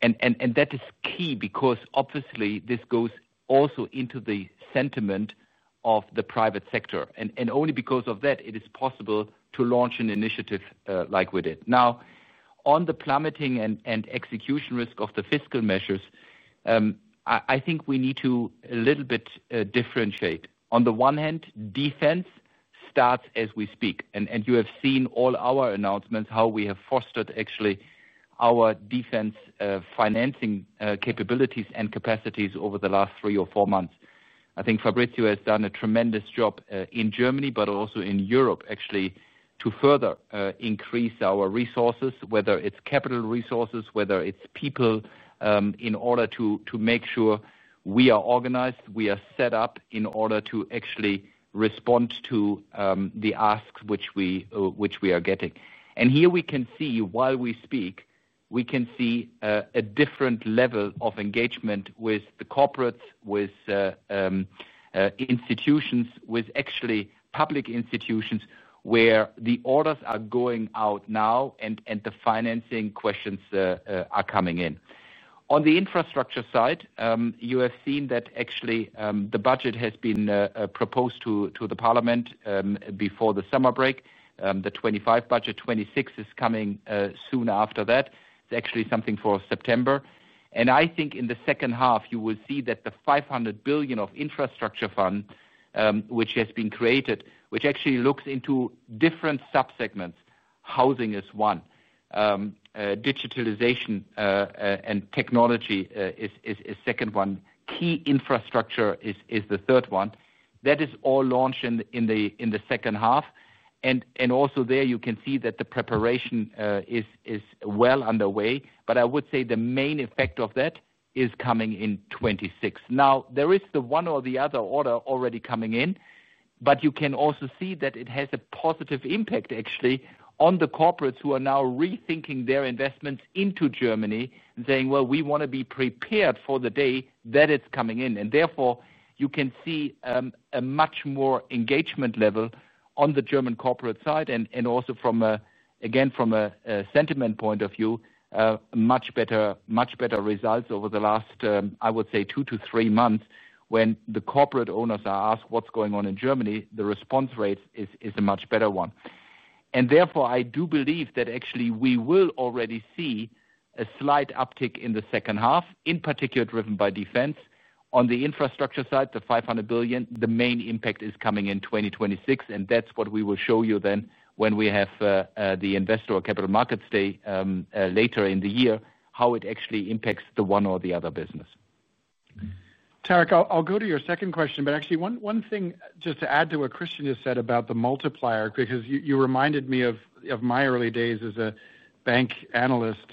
That is key because, obviously, this goes also into the sentiment of the private sector. Only because of that, it is possible to launch an initiative like we did. Now, on the plummeting and execution risk of the fiscal measures, I think we need to a little bit differentiate. On the one hand, defense starts as we speak. You have seen all our announcements, how we have fostered actually our defense financing capabilities and capacities over the last three or four months. I think Fabrizio has done a tremendous job in Germany, but also in Europe, actually, to further increase our resources, whether it's capital resources, whether it's people, in order to make sure we are organized, we are set up in order to actually respond to the asks which we are getting. Here we can see, while we speak, we can see a different level of engagement with the corporates, with institutions, with actually public institutions where the orders are going out now and the financing questions are coming in. On the infrastructure side, you have seen that actually the budget has been proposed to the Parliament before the summer break, the 2025 budget. 2026 is coming soon after that. It's actually something for September. I think in the second half, you will see that the 500 billion of infrastructure fund, which has been created, which actually looks into different subsegments. Housing is one. Digitalization and technology is second one. Key infrastructure is the third one. That is all launched in the second half. Also there, you can see that the preparation is well underway. I would say the main effect of that is coming in 2026. Now, there is the one or the other order already coming in, but you can also see that it has a positive impact, actually, on the corporates who are now rethinking their investments into Germany and saying, "We want to be prepared for the day that it's coming in." Therefore, you can see a much more engagement level on the German corporate side. Also, again, from a sentiment point of view, much better results over the last, I would say, two to three months. When the corporate owners are asked what's going on in Germany, the response rate is a much better one. Therefore, I do believe that actually we will already see a slight uptick in the second half, in particular driven by defense. On the infrastructure side, the 500 billion, the main impact is coming in 2026. That is what we will show you then when we have the investor or capital markets day later in the year, how it actually impacts the one or the other business. Tarik, I'll go to your second question, but actually one thing just to add to what Christian just said about the multiplier, because you reminded me of my early days as a bank analyst.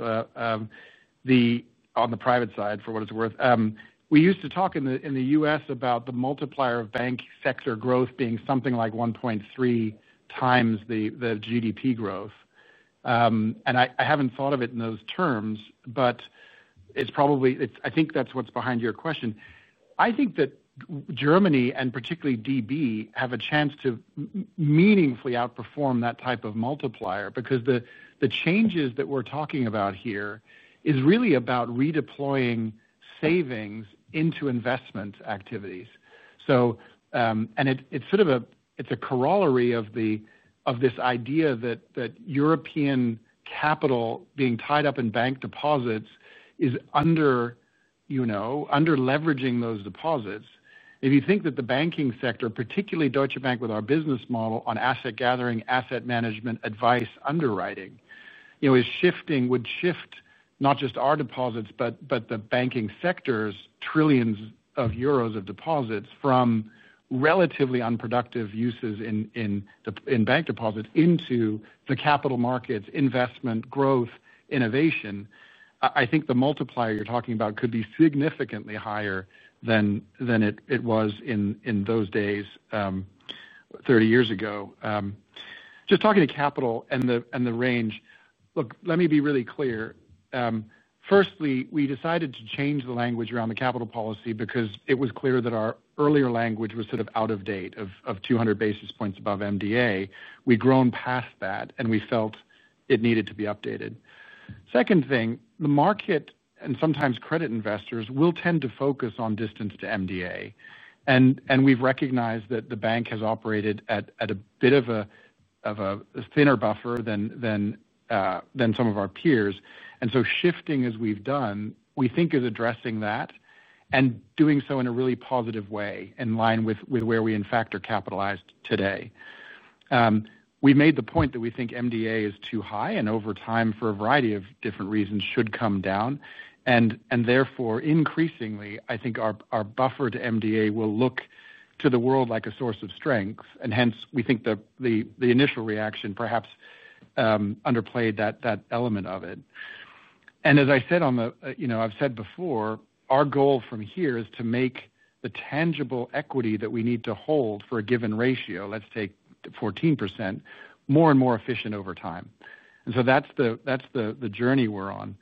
On the private side, for what it's worth, we used to talk in the U.S. about the multiplier of bank sector growth being something like 1.3 times the GDP growth. I haven't thought of it in those terms, but I think that's what's behind your question. I think that Germany, and particularly DB, have a chance to meaningfully outperform that type of multiplier because the changes that we're talking about here is really about redeploying savings into investment activities. It's sort of a corollary of this idea that European capital being tied up in bank deposits is underleveraging those deposits. If you think that the banking sector, particularly Deutsche Bank with our business model on asset gathering, asset management, advice, underwriting, would shift not just our deposits, but the banking sector's trillions of euros of deposits from relatively unproductive uses in bank deposits into the capital markets, investment, growth, innovation, I think the multiplier you're talking about could be significantly higher than it was in those days, 30 years ago. Just talking to capital and the range, look, let me be really clear. Firstly, we decided to change the language around the capital policy because it was clear that our earlier language was sort of out of date of 200 basis points above MDA. We've grown past that, and we felt it needed to be updated. Second thing, the market and sometimes credit investors will tend to focus on distance to MDA. We've recognized that the bank has operated at a bit of a thinner buffer than some of our peers. Shifting as we've done, we think, is addressing that. Doing so in a really positive way, in line with where we, in fact, are capitalized today. We've made the point that we think MDA is too high and over time, for a variety of different reasons, should come down. Therefore, increasingly, I think our buffer to MDA will look to the world like a source of strength. Hence, we think the initial reaction perhaps underplayed that element of it. As I said before, our goal from here is to make the tangible equity that we need to hold for a given ratio, let's take 14%, more and more efficient over time. That is the journey we're on.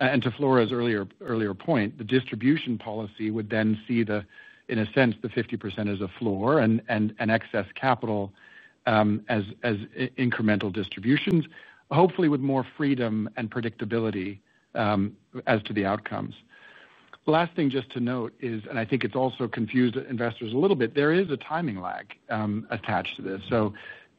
To Flora's earlier point, the distribution policy would then see, in a sense, the 50% as a floor and excess capital as incremental distributions, hopefully with more freedom and predictability as to the outcomes. Last thing just to note is, and I think it's also confused investors a little bit, there is a timing lag attached to this.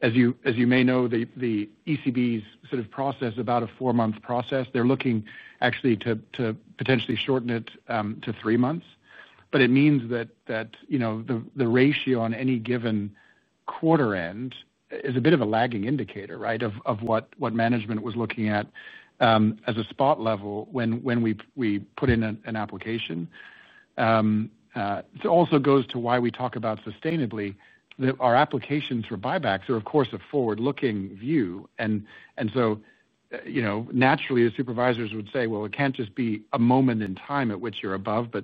As you may know, the ECB's sort of process, about a four-month process, they're looking actually to potentially shorten it to three months. It means that the ratio on any given quarter end is a bit of a lagging indicator, right, of what management was looking at as a spot level when we put in an application. It also goes to why we talk about sustainably that our applications for buybacks are, of course, a forward-looking view. Naturally, the supervisors would say, "Well, it can't just be a moment in time at which you're above, but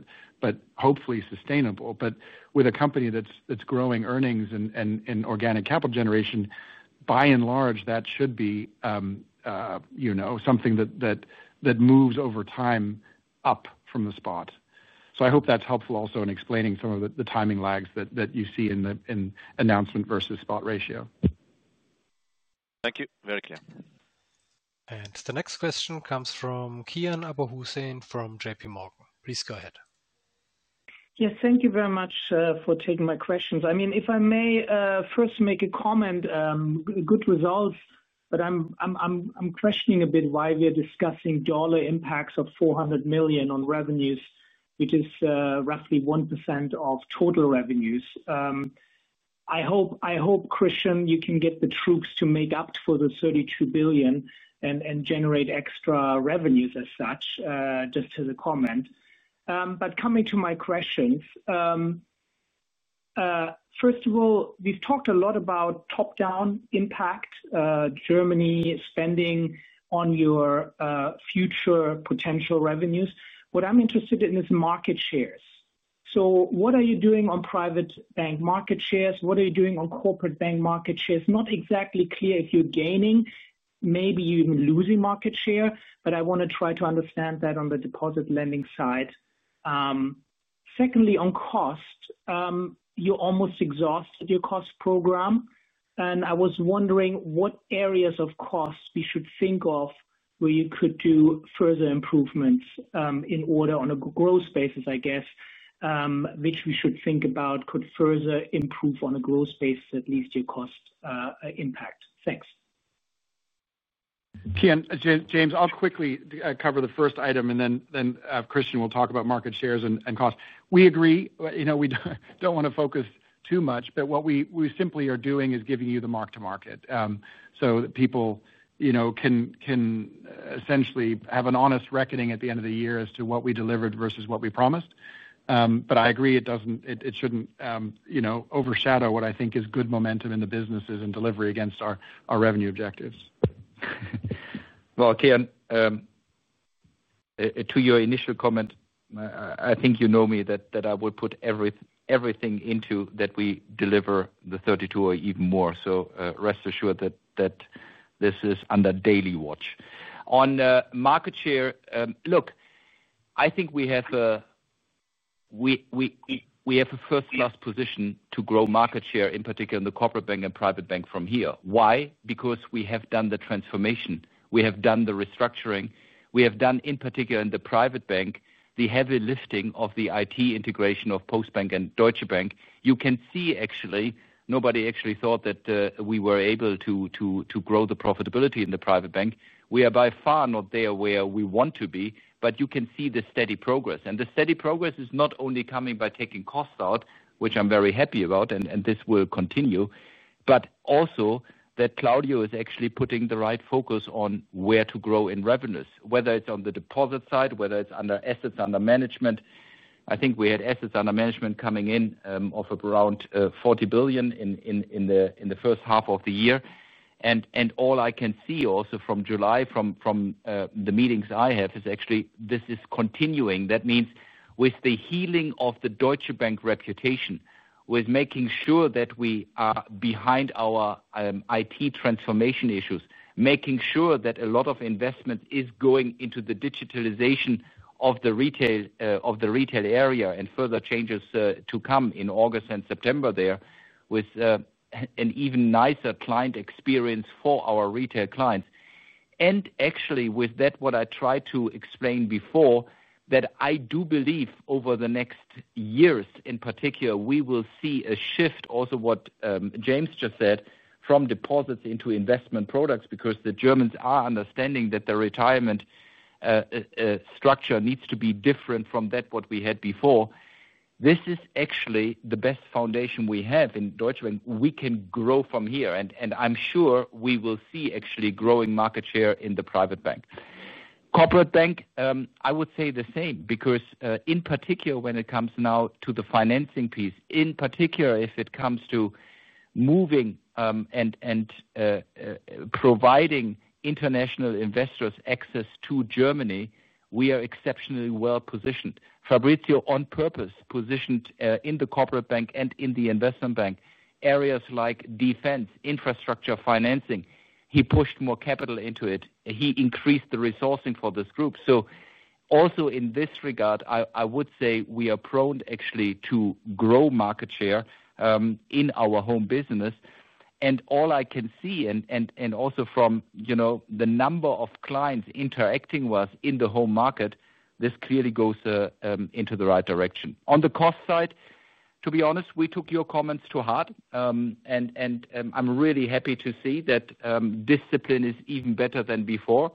hopefully sustainable." With a company that's growing earnings and organic capital generation, by and large, that should be something that moves over time up from the spot. I hope that's helpful also in explaining some of the timing lags that you see in the announcement versus spot ratio. Thank you. Very clear. The next question comes from Kian Abouhossein from JPMorgan. Please go ahead. Yes, thank you very much for taking my questions. I mean, if I may first make a comment. Good results, but I'm questioning a bit why we're discussing dollar impacts of 400 million on revenues, which is roughly 1% of total revenues. I hope, Christian, you can get the troops to make up for the 32 billion and generate extra revenues as such, just as a comment. Coming to my questions. First of all, we've talked a lot about top-down impact, Germany spending on your future potential revenues. What I'm interested in is market shares. What are you doing on private bank market shares? What are you doing on corporate bank market shares? Not exactly clear if you're gaining, maybe you're even losing market share, but I want to try to understand that on the deposit lending side. Secondly, on cost. You almost exhausted your cost program. I was wondering what areas of cost we should think of where you could do further improvements in order on a gross basis, I guess. Which we should think about could further improve on a gross basis, at least your cost impact. Thanks. Kian, James, I'll quickly cover the first item, and then Christian will talk about market shares and cost. We agree. We do not want to focus too much, but what we simply are doing is giving you the mark to market so that people can essentially have an honest reckoning at the end of the year as to what we delivered versus what we promised. I agree it should not overshadow what I think is good momentum in the businesses and delivery against our revenue objectives. Kian, to your initial comment, I think you know me that I would put everything into that we deliver the 32 billion or even more. Rest assured that this is under daily watch. On market share, look, I think we have a first-class position to grow market share, in particular in the corporate bank and private bank from here. Why? Because we have done the transformation. We have done the restructuring. We have done, in particular in the private bank, the heavy lifting of the IT integration of Postbank and Deutsche Bank. You can see actually, nobody actually thought that we were able to grow the profitability in the private bank. We are by far not there where we want to be, but you can see the steady progress. The steady progress is not only coming by taking costs out, which I am very happy about, and this will continue, but also that Claudio is actually putting the right focus on where to grow in revenues, whether it is on the deposit side, whether it is under assets under management. I think we had assets under management coming in of around 40 billion in the first half of the year. All I can see also from July, from the meetings I have, is actually this is continuing. That means with the healing of the Deutsche Bank reputation, with making sure that we are behind our IT transformation issues, making sure that a lot of investment is going into the digitalization of the retail area and further changes to come in August and September there with an even nicer client experience for our retail clients. Actually with that, what I tried to explain before, I do believe over the next years, in particular, we will see a shift also, what James just said, from deposits into investment products because the Germans are understanding that the retirement structure needs to be different from what we had before. This is actually the best foundation we have in Deutsche Bank. We can grow from here. I am sure we will see actually growing market share in the private bank. Corporate bank, I would say the same because in particular when it comes now to the financing piece, in particular if it comes to moving and providing international investors access to Germany, we are exceptionally well positioned. Fabrizio, on purpose, positioned in the corporate bank and in the investment bank, areas like defense, infrastructure, financing. He pushed more capital into it. He increased the resourcing for this group. Also in this regard, I would say we are prone actually to grow market share in our home business. All I can see and also from the number of clients interacting with us in the home market, this clearly goes into the right direction. On the cost side, to be honest, we took your comments to heart. I'm really happy to see that discipline is even better than before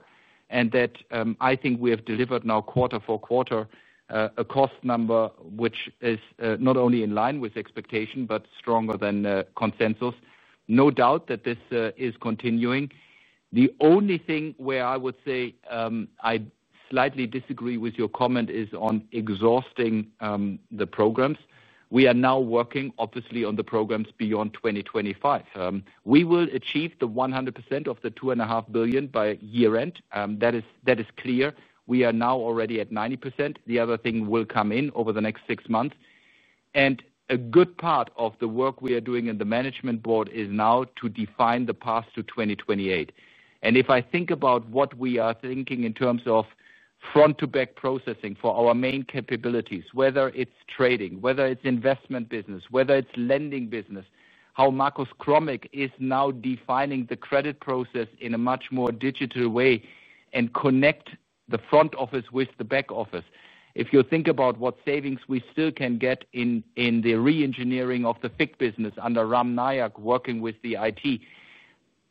and that I think we have delivered now quarter-for-quarter a cost number which is not only in line with expectation, but stronger than consensus. No doubt that this is continuing. The only thing where I would say I slightly disagree with your comment is on exhausting the programs. We are now working, obviously, on the programs beyond 2025. We will achieve the 100% of the 2.5 billion by year-end. That is clear. We are now already at 90%. The other thing will come in over the next six months. A good part of the work we are doing in the management board is now to define the path to 2028. If I think about what we are thinking in terms of front-to-back processing for our main capabilities, whether it's trading, whether it's investment business, whether it's lending business, how Marcus Chromick is now defining the credit process in a much more digital way and connect the front office with the back office. If you think about what savings we still can get in the re-engineering of the FIC business under Ram Nayak working with the IT,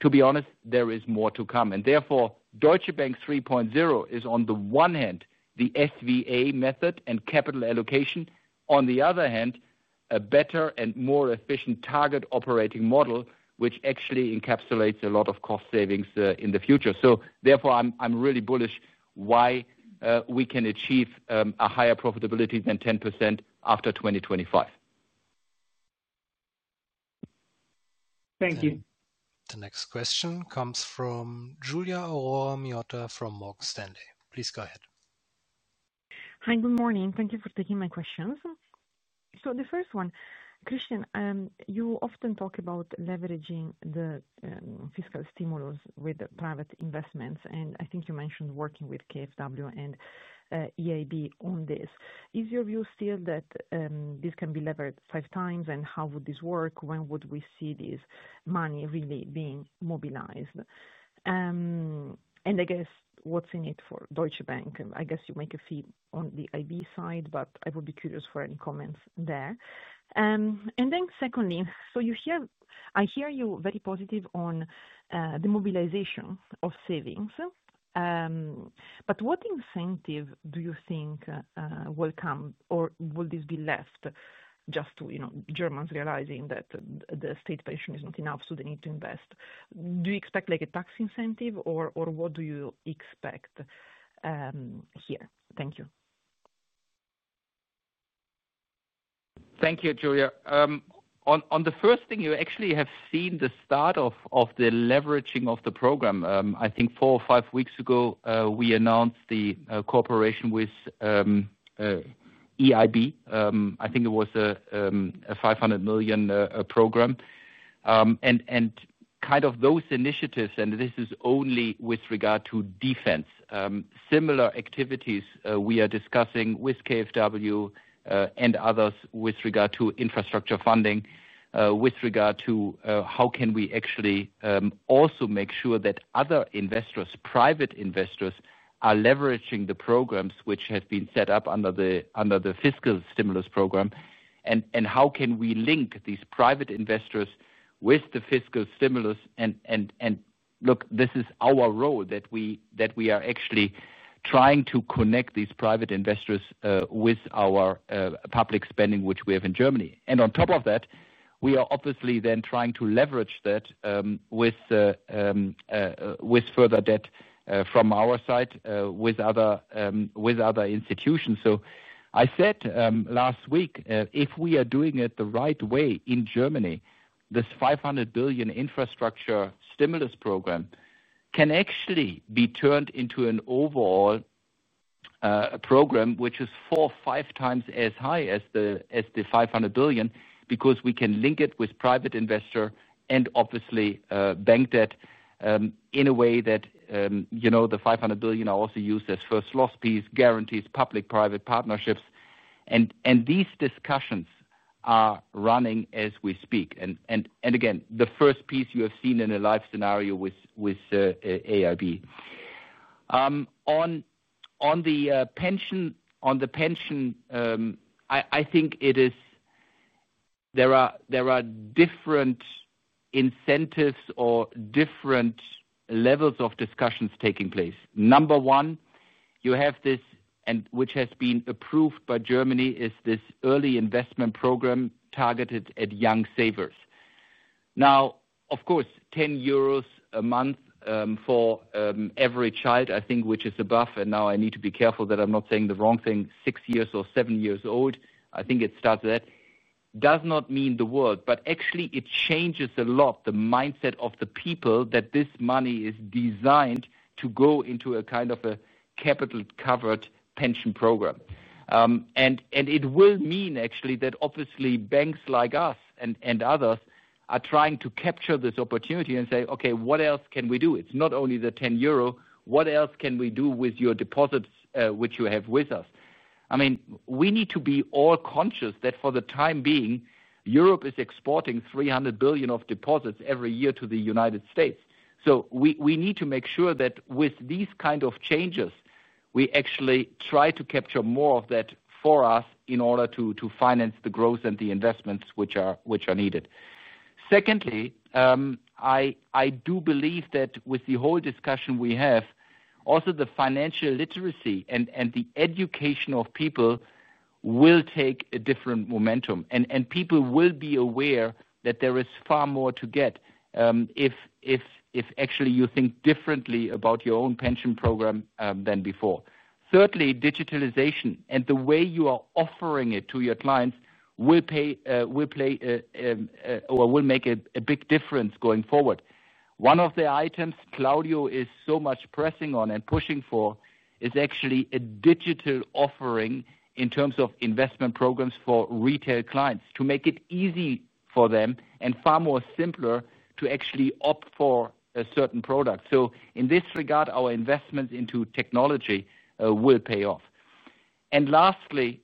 to be honest, there is more to come. Therefore, Deutsche Bank 3.0 is on the one hand the SVA method and capital allocation. On the other hand, a better and more efficient target operating model which actually encapsulates a lot of cost savings in the future. Therefore, I'm really bullish why we can achieve a higher profitability than 10% after 2025. Thank you. The next question comes from Giulia Aurora Miotta from Morgan Stanley. Please go ahead. Hi, good morning. Thank you for taking my questions. The first one, Christian, you often talk about leveraging the fiscal stimulus with private investments. I think you mentioned working with KfW and EIB on this. Is your view still that this can be leveraged five times? How would this work? When would we see this money really being mobilized? I guess what's in it for Deutsche Bank? I guess you make a fee on the IB side, but I would be curious for any comments there. Secondly, I hear you very positive on the mobilization of savings. What incentive do you think will come, or will this be left just to Germans realizing that the state pension is not enough, so they need to invest? Do you expect a tax incentive or what do you expect here? Thank you. Thank you, Julia. On the first thing, you actually have seen the start of the leveraging of the program. I think four or five weeks ago, we announced the cooperation with EIB. I think it was a 500 million program. Those initiatives, and this is only with regard to defense, similar activities we are discussing with KfW and others with regard to infrastructure funding, with regard to how can we actually also make sure that other investors, private investors, are leveraging the programs which have been set up under the fiscal stimulus program. How can we link these private investors with the fiscal stimulus? This is our role, that we are actually trying to connect these private investors with our public spending which we have in Germany. On top of that, we are obviously then trying to leverage that with further debt from our side with other institutions. I said last week, if we are doing it the right way in Germany, this 500 billion infrastructure stimulus program can actually be turned into an overall program which is four or five times as high as the 500 billion because we can link it with private investor and obviously bank debt in a way that the 500 billion are also used as first-loss piece, guarantees, public-private partnerships. These discussions are running as we speak. The first piece you have seen in a live scenario with EIB. On the pension, I think there are different incentives or different levels of discussions taking place. Number one, you have this, and which has been approved by Germany, is this early investment program targeted at young savers. Now, of course, 10 euros a month for every child, I think, which is above, and now I need to be careful that I'm not saying the wrong thing, six years or seven years old, I think it starts at that, does not mean the world. But actually, it changes a lot the mindset of the people that this money is designed to go into a kind of a capital-covered pension program. It will mean actually that obviously banks like us and others are trying to capture this opportunity and say, "Okay, what else can we do? It's not only the 10 euro. What else can we do with your deposits which you have with us?" I mean, we need to be all conscious that for the time being, Europe is exporting 300 billion of deposits every year to the United States. We need to make sure that with these kind of changes, we actually try to capture more of that for us in order to finance the growth and the investments which are needed. Secondly, I do believe that with the whole discussion we have, also the financial literacy and the education of people will take a different momentum. And people will be aware that there is far more to get if actually you think differently about your own pension program than before. Thirdly, digitalization and the way you are offering it to your clients will play or will make a big difference going forward. One of the items Claudio is so much pressing on and pushing for is actually a digital offering in terms of investment programs for retail clients to make it easy for them and far more simpler to actually opt for a certain product. In this regard, our investments into technology will pay off. Lastly,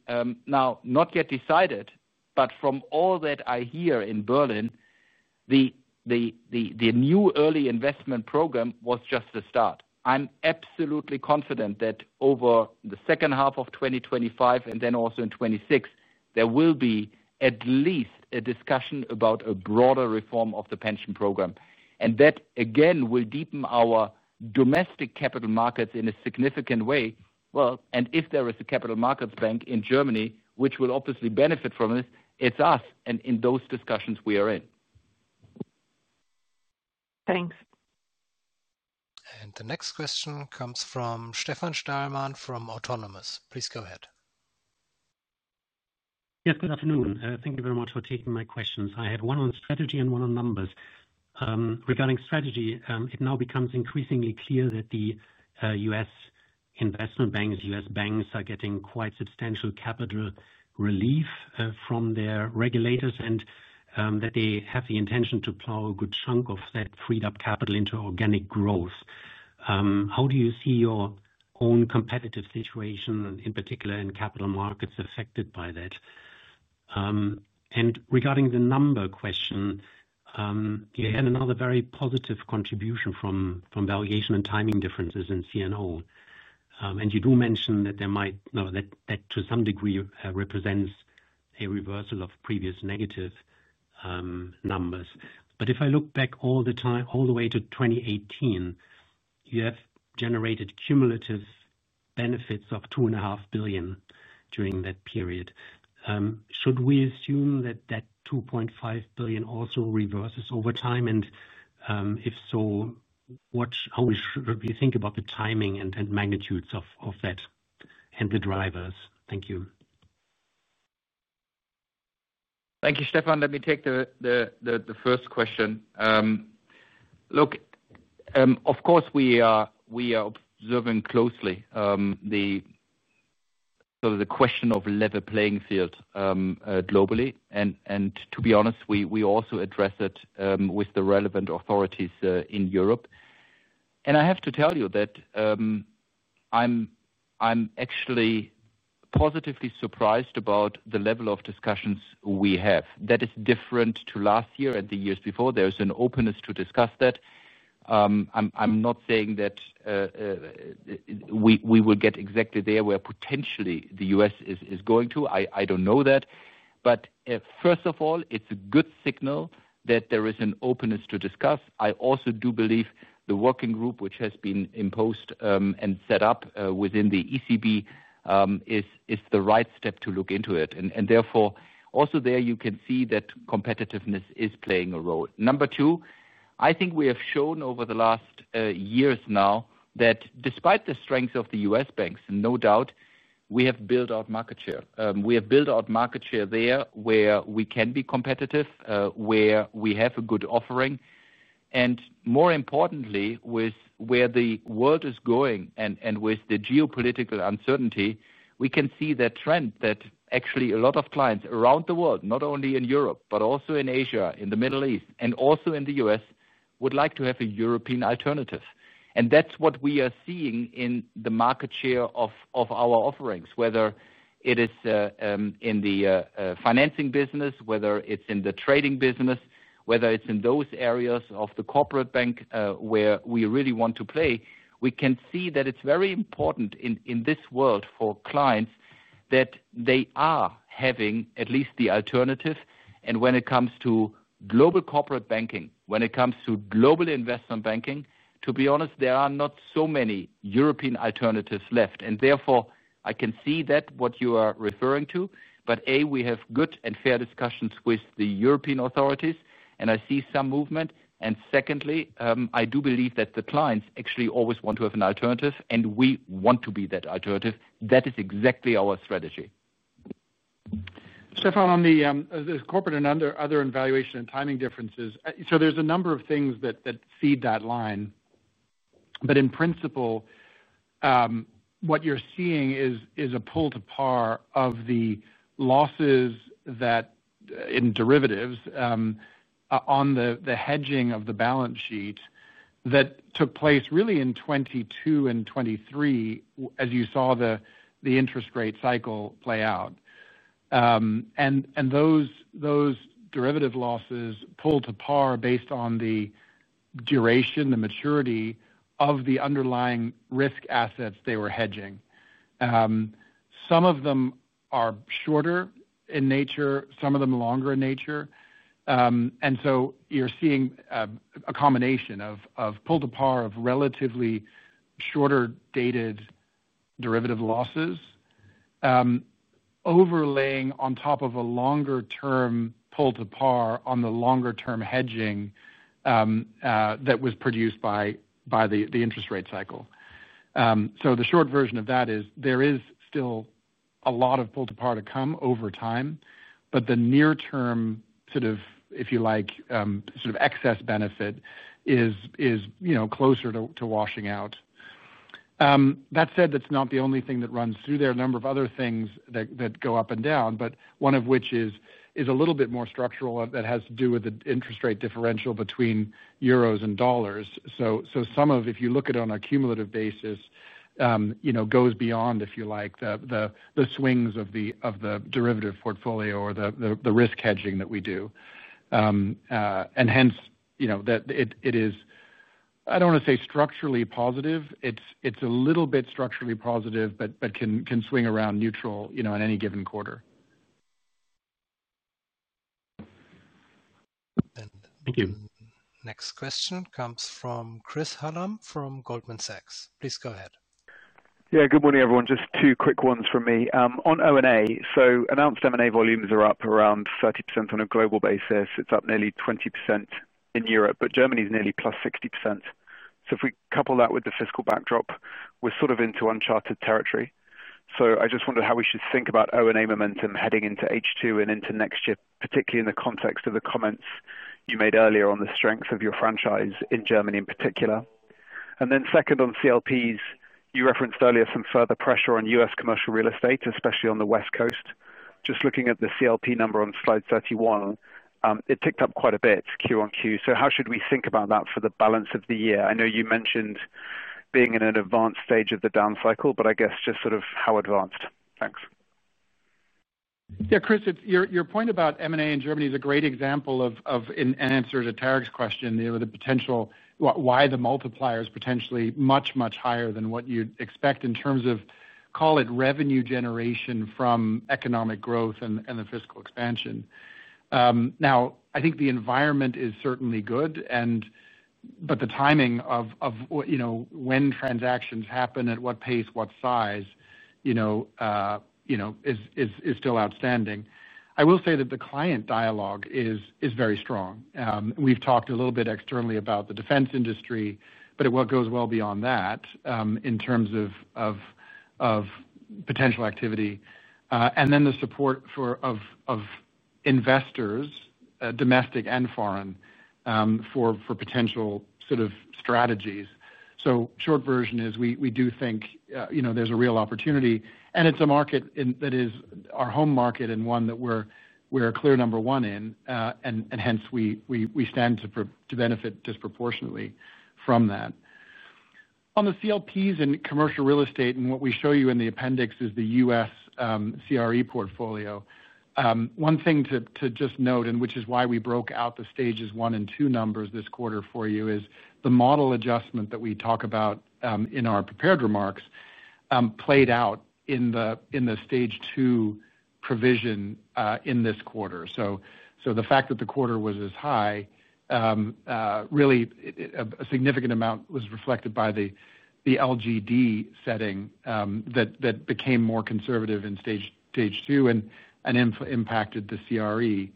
now not yet decided, but from all that I hear in Berlin, the new early investment program was just the start. I'm absolutely confident that over the second half of 2025 and then also in 2026, there will be at least a discussion about a broader reform of the pension program. That, again, will deepen our domestic capital markets in a significant way. If there is a capital markets bank in Germany which will obviously benefit from this, it's us. In those discussions, we are in. Thanks. The next question comes from Stefan Stalmann from Autonomous. Please go ahead. Yes, good afternoon. Thank you very much for taking my questions. I had one on strategy and one on numbers. Regarding strategy, it now becomes increasingly clear that the U.S. investment banks, U.S. banks are getting quite substantial capital relief from their regulators and that they have the intention to plow a good chunk of that freed-up capital into organic growth. How do you see your own competitive situation, in particular in capital markets, affected by that? Regarding the number question, you had another very positive contribution from valuation and timing differences in C&O. You do mention that there might, that to some degree represents a reversal of previous negative numbers. If I look back all the way to 2018, you have generated cumulative benefits of 2.5 billion during that period. Should we assume that that 2.5 billion also reverses over time? If so, how should we think about the timing and magnitudes of that and the drivers? Thank you. Thank you, Stefan. Let me take the first question. Look, of course, we are observing closely the question of level playing field globally. To be honest, we also address it with the relevant authorities in Europe. I have to tell you that I'm actually positively surprised about the level of discussions we have. That is different to last year and the years before. There is an openness to discuss that. I'm not saying that. We will get exactly there where potentially the U.S. is going to. I don't know that. First of all, it's a good signal that there is an openness to discuss. I also do believe the working group which has been imposed and set up within the ECB is the right step to look into it. Therefore, also there, you can see that competitiveness is playing a role. Number two, I think we have shown over the last years now that despite the strength of the U.S. banks, no doubt, we have built out market share. We have built out market share there where we can be competitive, where we have a good offering. More importantly, with where the world is going and with the geopolitical uncertainty, we can see that trend that actually a lot of clients around the world, not only in Europe, but also in Asia, in the Middle East, and also in the U.S., would like to have a European alternative. That's what we are seeing in the market share of our offerings, whether it is in the financing business, whether it's in the trading business, whether it's in those areas of the corporate bank where we really want to play. We can see that it's very important in this world for clients that they are having at least the alternative. When it comes to global corporate banking, when it comes to global investment banking, to be honest, there are not so many European alternatives left. Therefore, I can see that what you are referring to. A, we have good and fair discussions with the European authorities, and I see some movement. Secondly, I do believe that the clients actually always want to have an alternative, and we want to be that alternative. That is exactly our strategy. Stefan, on the corporate and other evaluation and timing differences, so there's a number of things that feed that line. In principle, what you're seeing is a pull to par of the losses that, in derivatives, on the hedging of the balance sheet that took place really in 2022 and 2023, as you saw the interest rate cycle play out. Those derivative losses pull to par based on the duration, the maturity of the underlying risk assets they were hedging. Some of them are shorter in nature, some of them longer in nature. You're seeing a combination of pull to par of relatively shorter-dated derivative losses overlaying on top of a longer-term pull to par on the longer-term hedging that was produced by the interest rate cycle. The short version of that is there is still a lot of pull to par to come over time, but the near-term sort of, if you like, sort of excess benefit is closer to washing out. That said, that's not the only thing that runs through there. A number of other things that go up and down, but one of which is a little bit more structural that has to do with the interest rate differential between euros and dollars. So some of, if you look at it on a cumulative basis, goes beyond, if you like, the swings of the derivative portfolio or the risk hedging that we do. And hence, it is, I do not want to say structurally positive. It is a little bit structurally positive, but can swing around neutral in any given quarter. Thank you. Next question comes from Chris Hallam from Goldman Sachs. Please go ahead. Yeah, good morning, everyone. Just two quick ones from me. On O&A, so announced M&A volumes are up around 30% on a global basis. It is up nearly 20% in Europe, but Germany is nearly plus 60%. So if we couple that with the fiscal backdrop, we are sort of into uncharted territory. I just wondered how we should think about O&A momentum heading into H2 and into next year, particularly in the context of the comments you made earlier on the strength of your franchise in Germany in particular. And then second on CLPs, you referenced earlier some further pressure on U.S. commercial real estate, especially on the U.S. West Coast. Just looking at the CLP number on slide 31, it ticked up quite a bit, QoQ. How should we think about that for the balance of the year? I know you mentioned being in an advanced stage of the down cycle, but I guess just sort of how advanced? Thanks. Yeah, Chris, your point about M&A in Germany is a great example of an answer to Tarik's question, the potential, why the multiplier is potentially much, much higher than what you would expect in terms of, call it revenue generation from economic growth and the fiscal expansion. Now, I think the environment is certainly good, but the timing of when transactions happen, at what pace, what size, is still outstanding. I will say that the client dialogue is very strong. We have talked a little bit externally about the defense industry, but it goes well beyond that in terms of potential activity. And then the support of investors, domestic and foreign, for potential sort of strategies. Short version is we do think there is a real opportunity, and it is a market that is our home market and one that we are a clear number one in. Hence, we stand to benefit disproportionately from that. On the CLPs and commercial real estate, and what we show you in the appendix is the U.S. CRE portfolio. One thing to just note, and which is why we broke out the stages one and two numbers this quarter for you, is the model adjustment that we talk about in our prepared remarks. Played out in the stage two provision in this quarter. So the fact that the quarter was as high. Really a significant amount was reflected by the LGD setting that became more conservative in stage two and impacted the CRE.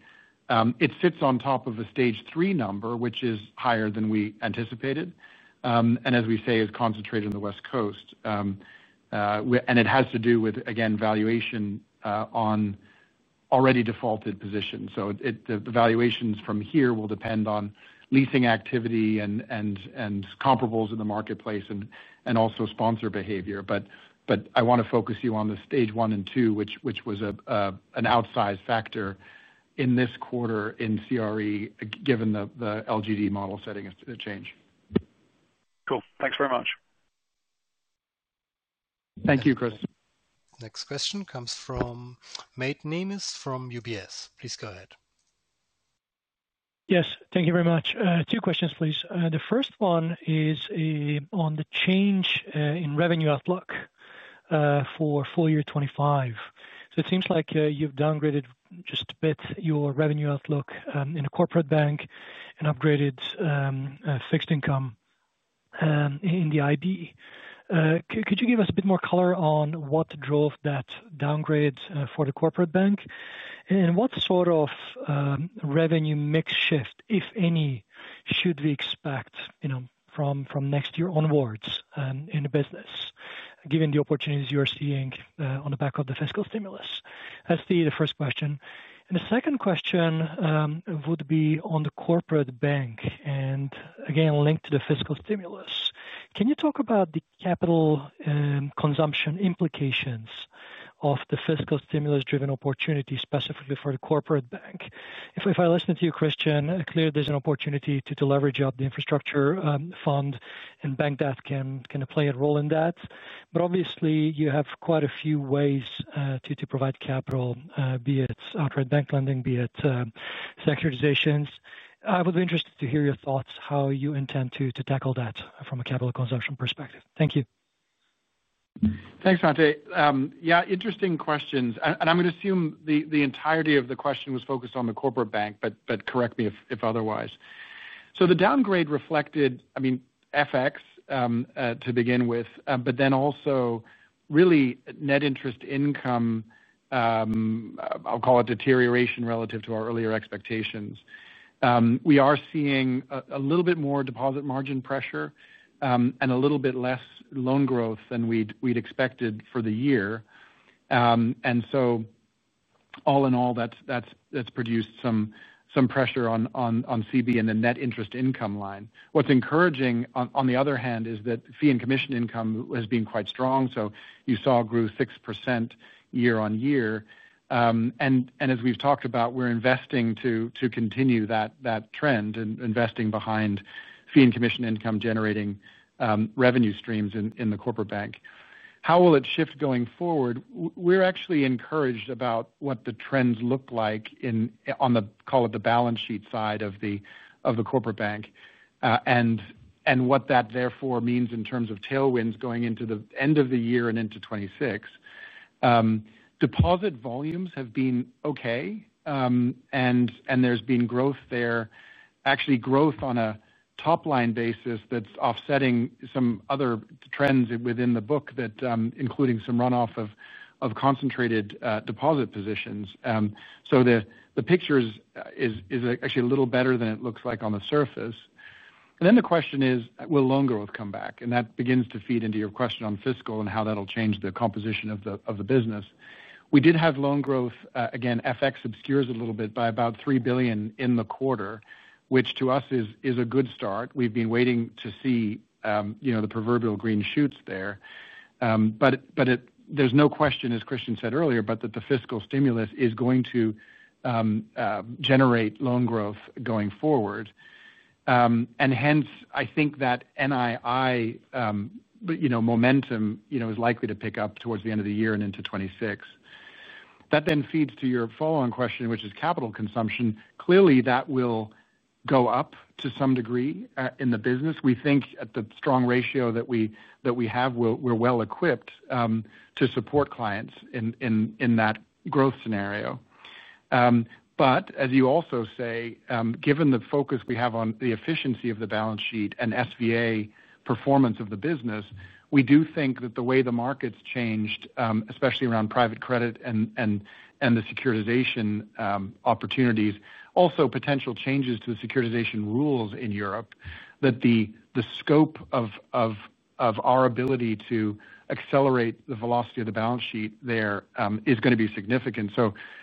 It sits on top of a stage three number, which is higher than we anticipated. As we say, it is concentrated on the U.S. West Coast. It has to do with, again, valuation on already defaulted positions. The valuations from here will depend on leasing activity and comparables in the marketplace and also sponsor behavior. I want to focus you on the stage one and two, which was an outsized factor in this quarter in CRE, given the LGD model setting change. Cool. Thanks very much. Thank you, Chris. Next question comes from Mate Nemes from UBS. Please go ahead. Yes, thank you very much. Two questions, please. The first one is on the change in revenue outlook for full year 2025. It seems like you have downgraded just a bit your revenue outlook in the corporate bank and upgraded fixed income in the IB. Could you give us a bit more color on what drove that downgrade for the corporate bank? What sort of revenue mix shift, if any, should we expect from next year onwards in the business, given the opportunities you are seeing on the back of the fiscal stimulus? That is the first question. The second question would be on the corporate bank and again linked to the fiscal stimulus. Can you talk about the capital consumption implications of the fiscal stimulus-driven opportunity specifically for the corporate bank? If I listen to you, Christian, clearly there is an opportunity to leverage up the infrastructure fund and bank debt can play a role in that. Obviously, you have quite a few ways to provide capital, be it outright bank lending, be it securitizations. I would be interested to hear your thoughts, how you intend to tackle that from a capital consumption perspective. Thank you. Thanks, Mate. Yeah, interesting questions. I am going to assume the entirety of the question was focused on the corporate bank, but correct me if otherwise. The downgrade reflected, I mean, FX to begin with, but then also really net interest income. I will call it deterioration relative to our earlier expectations. We are seeing a little bit more deposit margin pressure and a little bit less loan growth than we had expected for the year. All in all, that has produced some pressure on CB and the net interest income line. What is encouraging, on the other hand, is that fee and commission income has been quite strong. You saw it grew 6% year-on-year. As we have talked about, we are investing to continue that trend and investing behind fee and commission income generating revenue streams in the corporate bank. How will it shift going forward? We are actually encouraged about what the trends look like on the, call it the balance sheet side of the corporate bank. What that therefore means in terms of tailwinds going into the end of the year and into 2026. Deposit volumes have been okay. There's been growth there, actually growth on a top-line basis that's offsetting some other trends within the book, including some runoff of concentrated deposit positions. The picture is actually a little better than it looks like on the surface. The question is, will loan growth come back? That begins to feed into your question on fiscal and how that'll change the composition of the business. We did have loan growth. Again, FX obscures a little bit by about 3 billion in the quarter, which to us is a good start. We've been waiting to see the proverbial green shoots there. There's no question, as Christian said earlier, that the fiscal stimulus is going to generate loan growth going forward. Hence, I think that NII momentum is likely to pick up towards the end of the year and into 2026. That then feeds to your following question, which is capital consumption. Clearly, that will go up to some degree in the business. We think at the strong ratio that we have, we're well equipped to support clients in that growth scenario. As you also say, given the focus we have on the efficiency of the balance sheet and SVA performance of the business, we do think that the way the market's changed, especially around private credit and the securitization opportunities, also potential changes to the securitization rules in Europe, that the scope of our ability to accelerate the velocity of the balance sheet there is going to be significant.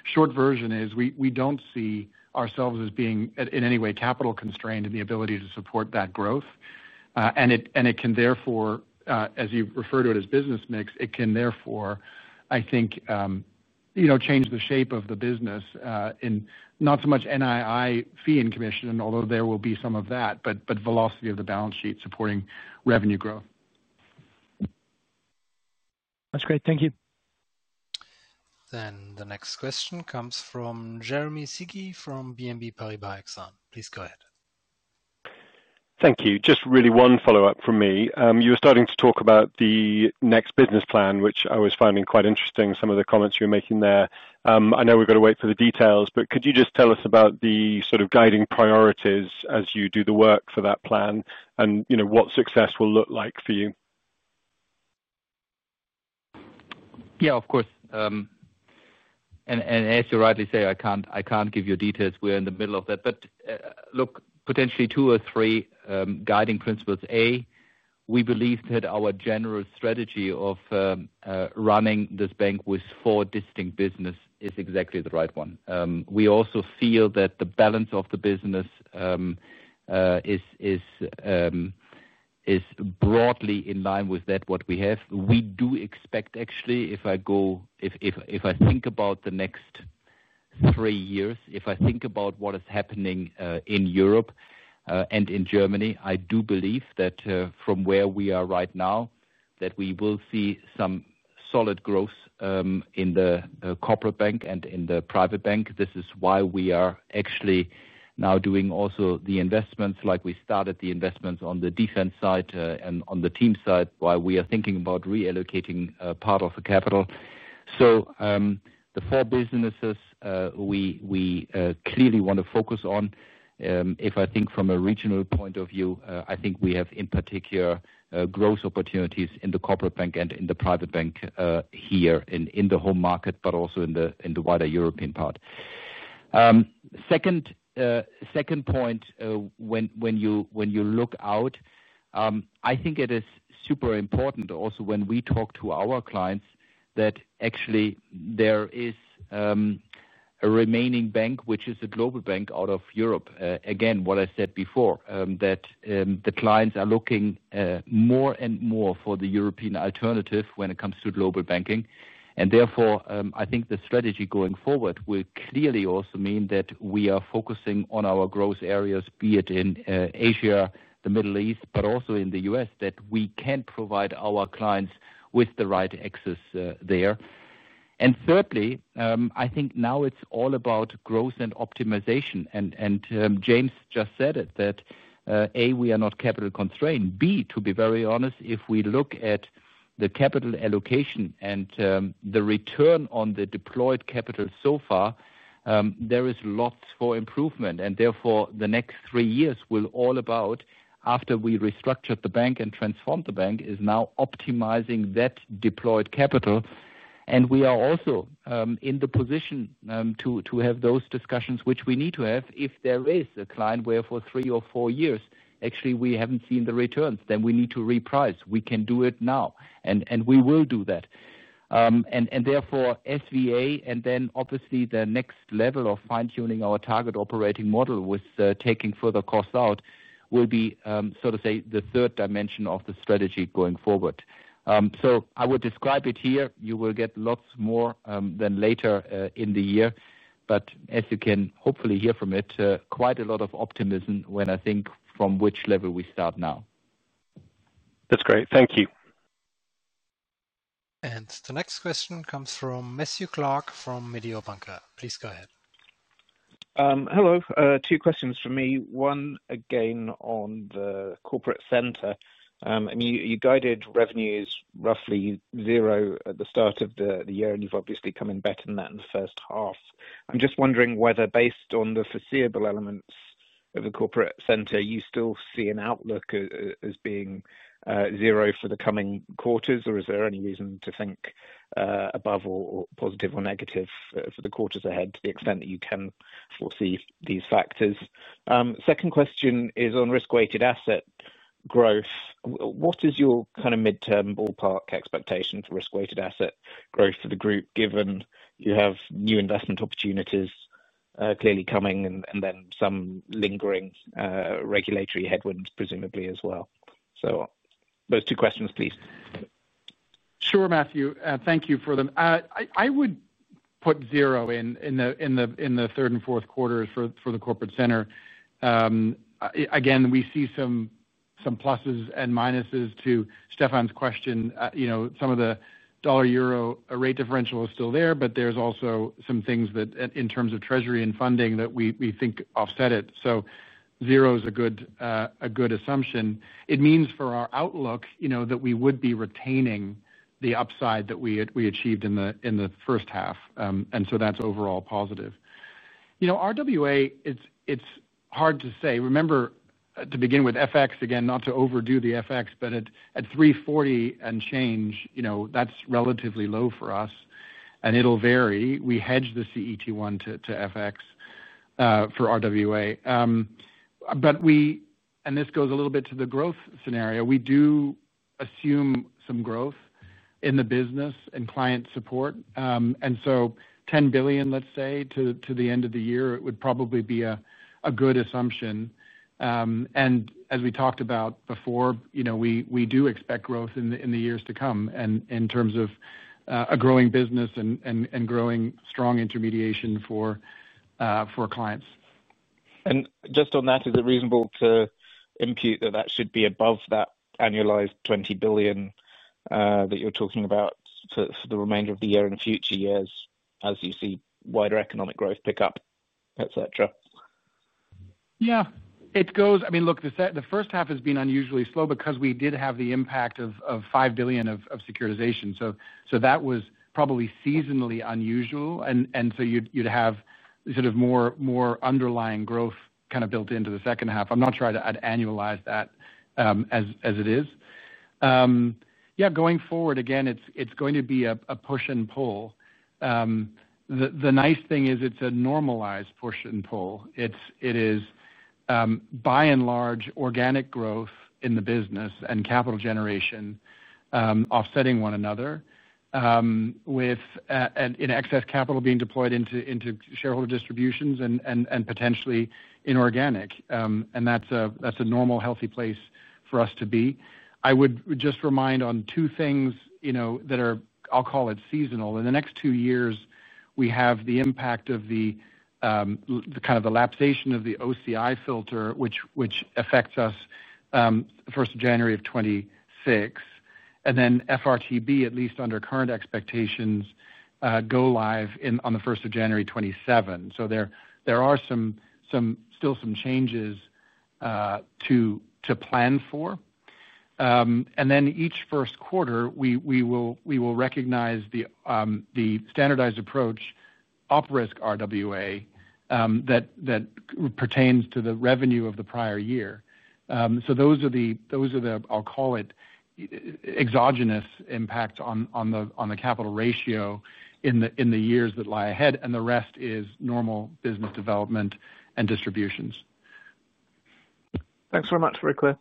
Short version is we don't see ourselves as being in any way capital constrained in the ability to support that growth. It can therefore, as you refer to it as business mix, it can therefore, I think, change the shape of the business. In not so much NII fee and commission, although there will be some of that, but velocity of the balance sheet supporting revenue growth. That's great. Thank you. The next question comes from Jeremy Sigee from BNP Paribas Exane. Please go ahead. Thank you. Just really one follow-up from me. You were starting to talk about the next business plan, which I was finding quite interesting, some of the comments you were making there. I know we've got to wait for the details, but could you just tell us about the sort of guiding priorities as you do the work for that plan and what success will look like for you? Yeah, of course. As you rightly say, I can't give you details. We're in the middle of that. Look, potentially two or three guiding principles. A, we believe that our general strategy of running this bank with four distinct businesses is exactly the right one. We also feel that the balance of the business is. Broadly in line with that, what we have. We do expect, actually, if I go, if I think about the next three years, if I think about what is happening in Europe and in Germany, I do believe that from where we are right now, that we will see some solid growth in the corporate bank and in the private bank. This is why we are actually now doing also the investments like we started the investments on the defense side and on the team side, why we are thinking about reallocating part of the capital. So the four businesses we clearly want to focus on. If I think from a regional point of view, I think we have in particular growth opportunities in the corporate bank and in the private bank here in the home market, but also in the wider European part. Second point. When you look out, I think it is super important. Also when we talk to our clients that actually there is a remaining bank, which is a global bank out of Europe. Again, what I said before, that the clients are looking more and more for the European alternative when it comes to global banking. Therefore, I think the strategy going forward will clearly also mean that we are focusing on our growth areas, be it in Asia, the Middle East, but also in the U.S., that we can provide our clients with the right access there. Thirdly, I think now it's all about growth and optimization. James just said it, that A, we are not capital constrained. B, to be very honest, if we look at the capital allocation and the return on the deployed capital so far, there is lots for improvement. Therefore, the next three years will all about, after we restructured the bank and transformed the bank, is now optimizing that deployed capital. We are also in the position to have those discussions, which we need to have. If there is a client where for three or four years, actually, we haven't seen the returns, then we need to reprice. We can do it now. We will do that. Therefore, SVA, and then obviously the next level of fine-tuning our target operating model with taking further costs out will be sort of say the third dimension of the strategy going forward. I would describe it here. You will get lots more than later in the year. As you can hopefully hear from it, quite a lot of optimism when I think from which level we start now. That's great. Thank you. The next question comes from Matthew Clark from Mediobanca. Please go ahead. Hello. Two questions for me. One again on the corporate center. I mean, you guided revenues roughly zero at the start of the year, and you've obviously come and bet on that in the first half. I'm just wondering whether, based on the foreseeable elements of the corporate center, you still see an outlook as being zero for the coming quarters, or is there any reason to think above or positive or negative for the quarters ahead to the extent that you can foresee these factors? Second question is on risk-weighted asset growth. What is your kind of midterm ballpark expectation for risk-weighted asset growth for the group, given you have new investment opportunities clearly coming and then some lingering regulatory headwinds presumably as well? So those two questions, please. Sure, Matthew. Thank you for them. I would put zero in the third and fourth quarters for the corporate center. Again, we see some pluses and minuses to Stefan's question. Some of the dollar-euro rate differential is still there, but there's also some things that in terms of treasury and funding that we think offset it. So zero is a good assumption. It means for our outlook that we would be retaining the upside that we achieved in the first half. And so that's overall positive. RWA, it's hard to say. Remember to begin with FX, again, not to overdo the FX, but at 340 and change, that's relatively low for us. And it'll vary. We hedge the CET1 to FX. For RWA. And this goes a little bit to the growth scenario. We do assume some growth in the business and client support. And so 10 billion, let's say, to the end of the year, it would probably be a good assumption. And as we talked about before, we do expect growth in the years to come in terms of a growing business and growing strong intermediation for clients. And just on that, is it reasonable to impute that that should be above that annualized 20 billion that you're talking about for the remainder of the year and future years as you see wider economic growth pick up, etc.? Yeah. I mean, look, the first half has been unusually slow because we did have the impact of 5 billion of securitization. So that was probably seasonally unusual. And so you'd have sort of more underlying growth kind of built into the second half. I'm not sure I'd annualize that as it is. Yeah, going forward, again, it's going to be a push and pull. The nice thing is it's a normalized push and pull. It is, by and large, organic growth in the business and capital generation offsetting one another, with excess capital being deployed into shareholder distributions and potentially inorganic. And that's a normal, healthy place for us to be. I would just remind on two things that are, I'll call it seasonal. In the next two years, we have the impact of the kind of the lapsation of the OCI filter, which affects us 1st of January 2026. And then FRTB, at least under current expectations, go live on the 1st of January 2027. So there are still some changes. To plan for. And then each first quarter, we will recognize the standardized approach OpRisk RWA that pertains to the revenue of the prior year. Those are the, I'll call it, exogenous impacts on the capital ratio in the years that lie ahead. The rest is normal business development and distributions. Thanks very much, Very Clear.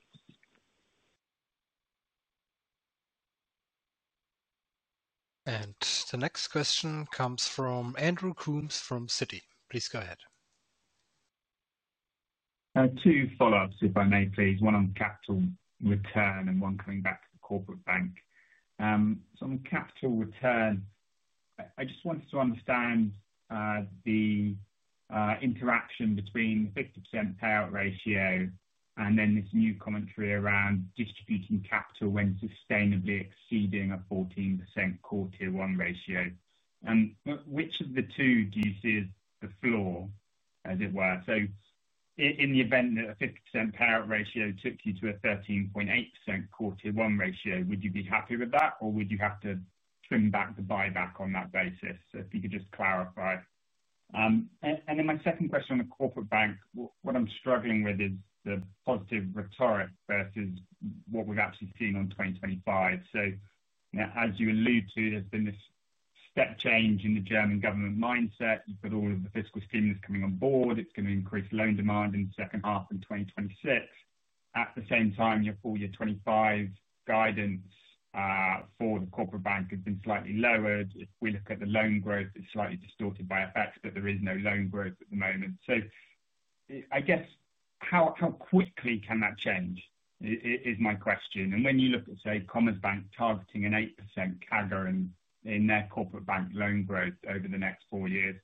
The next question comes from Andrew Coombs from Citi. Please go ahead. Two follow-ups, if I may, please. One on capital return and one coming back to the corporate bank. On capital return, I just wanted to understand the interaction between the 50% payout ratio and then this new commentary around distributing capital when sustainably exceeding a 14% quarter-to-one ratio. Which of the two do you see as the floor, as it were? In the event that a 50% payout ratio took you to a 13.8% quarter-to-one ratio, would you be happy with that, or would you have to trim back the buyback on that basis? If you could just clarify. My second question on the corporate bank, what I'm struggling with is the positive rhetoric versus what we've actually seen on 2025. As you allude to, there's been this step change in the German government mindset. You've got all of the fiscal stimulus coming on board. It's going to increase loan demand in the second half of 2026. At the same time, your full-year 2025 guidance for the corporate bank has been slightly lowered. If we look at the loan growth, it's slightly distorted by effect, but there is no loan growth at the moment. I guess, how quickly can that change is my question. When you look at, say, Commerzbank targeting an 8% CAGR in their corporate bank loan growth over the next four years,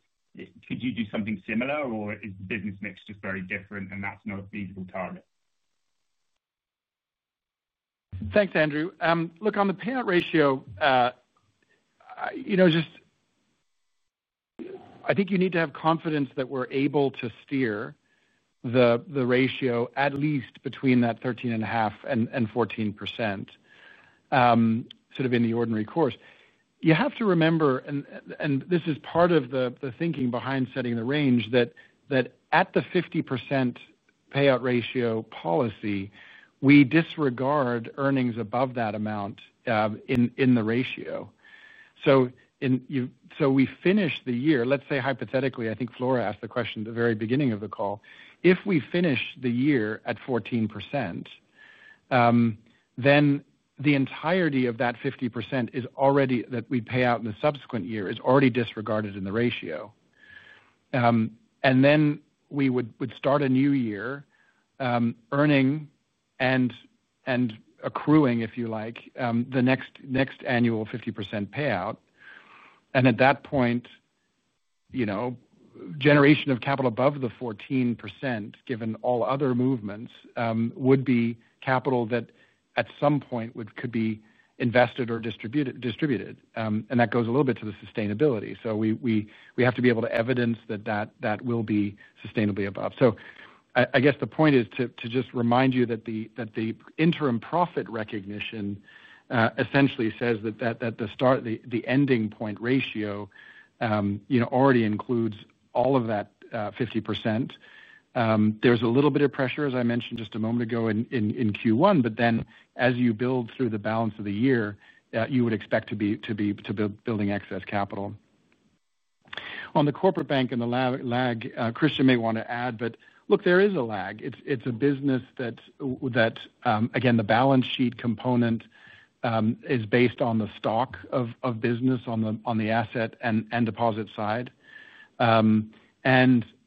could you do something similar, or is the business mix just very different and that's not a feasible target? Thanks, Andrew. Look, on the payout ratio, I think you need to have confidence that we're able to steer the ratio at least between that 13.5% and 14% sort of in the ordinary course. You have to remember, and this is part of the thinking behind setting the range, that at the 50% payout ratio policy, we disregard earnings above that amount in the ratio. We finish the year, let's say hypothetically, I think Flora asked the question at the very beginning of the call, if we finish the year at 14%, then the entirety of that 50% that we pay out in the subsequent year is already disregarded in the ratio. Then we would start a new year earning and accruing, if you like, the next annual 50% payout. At that point, generation of capital above the 14%, given all other movements, would be capital that at some point could be invested or distributed. That goes a little bit to the sustainability. We have to be able to evidence that that will be sustainably above. I guess the point is to just remind you that the interim profit recognition essentially says that the ending point ratio already includes all of that 50%. There is a little bit of pressure, as I mentioned just a moment ago, in Q1, but then as you build through the balance of the year, you would expect to be building excess capital. On the corporate bank and the lag, Christian may want to add, but look, there is a lag. It is a business that, again, the balance sheet component is based on the stock of business on the asset and deposit side.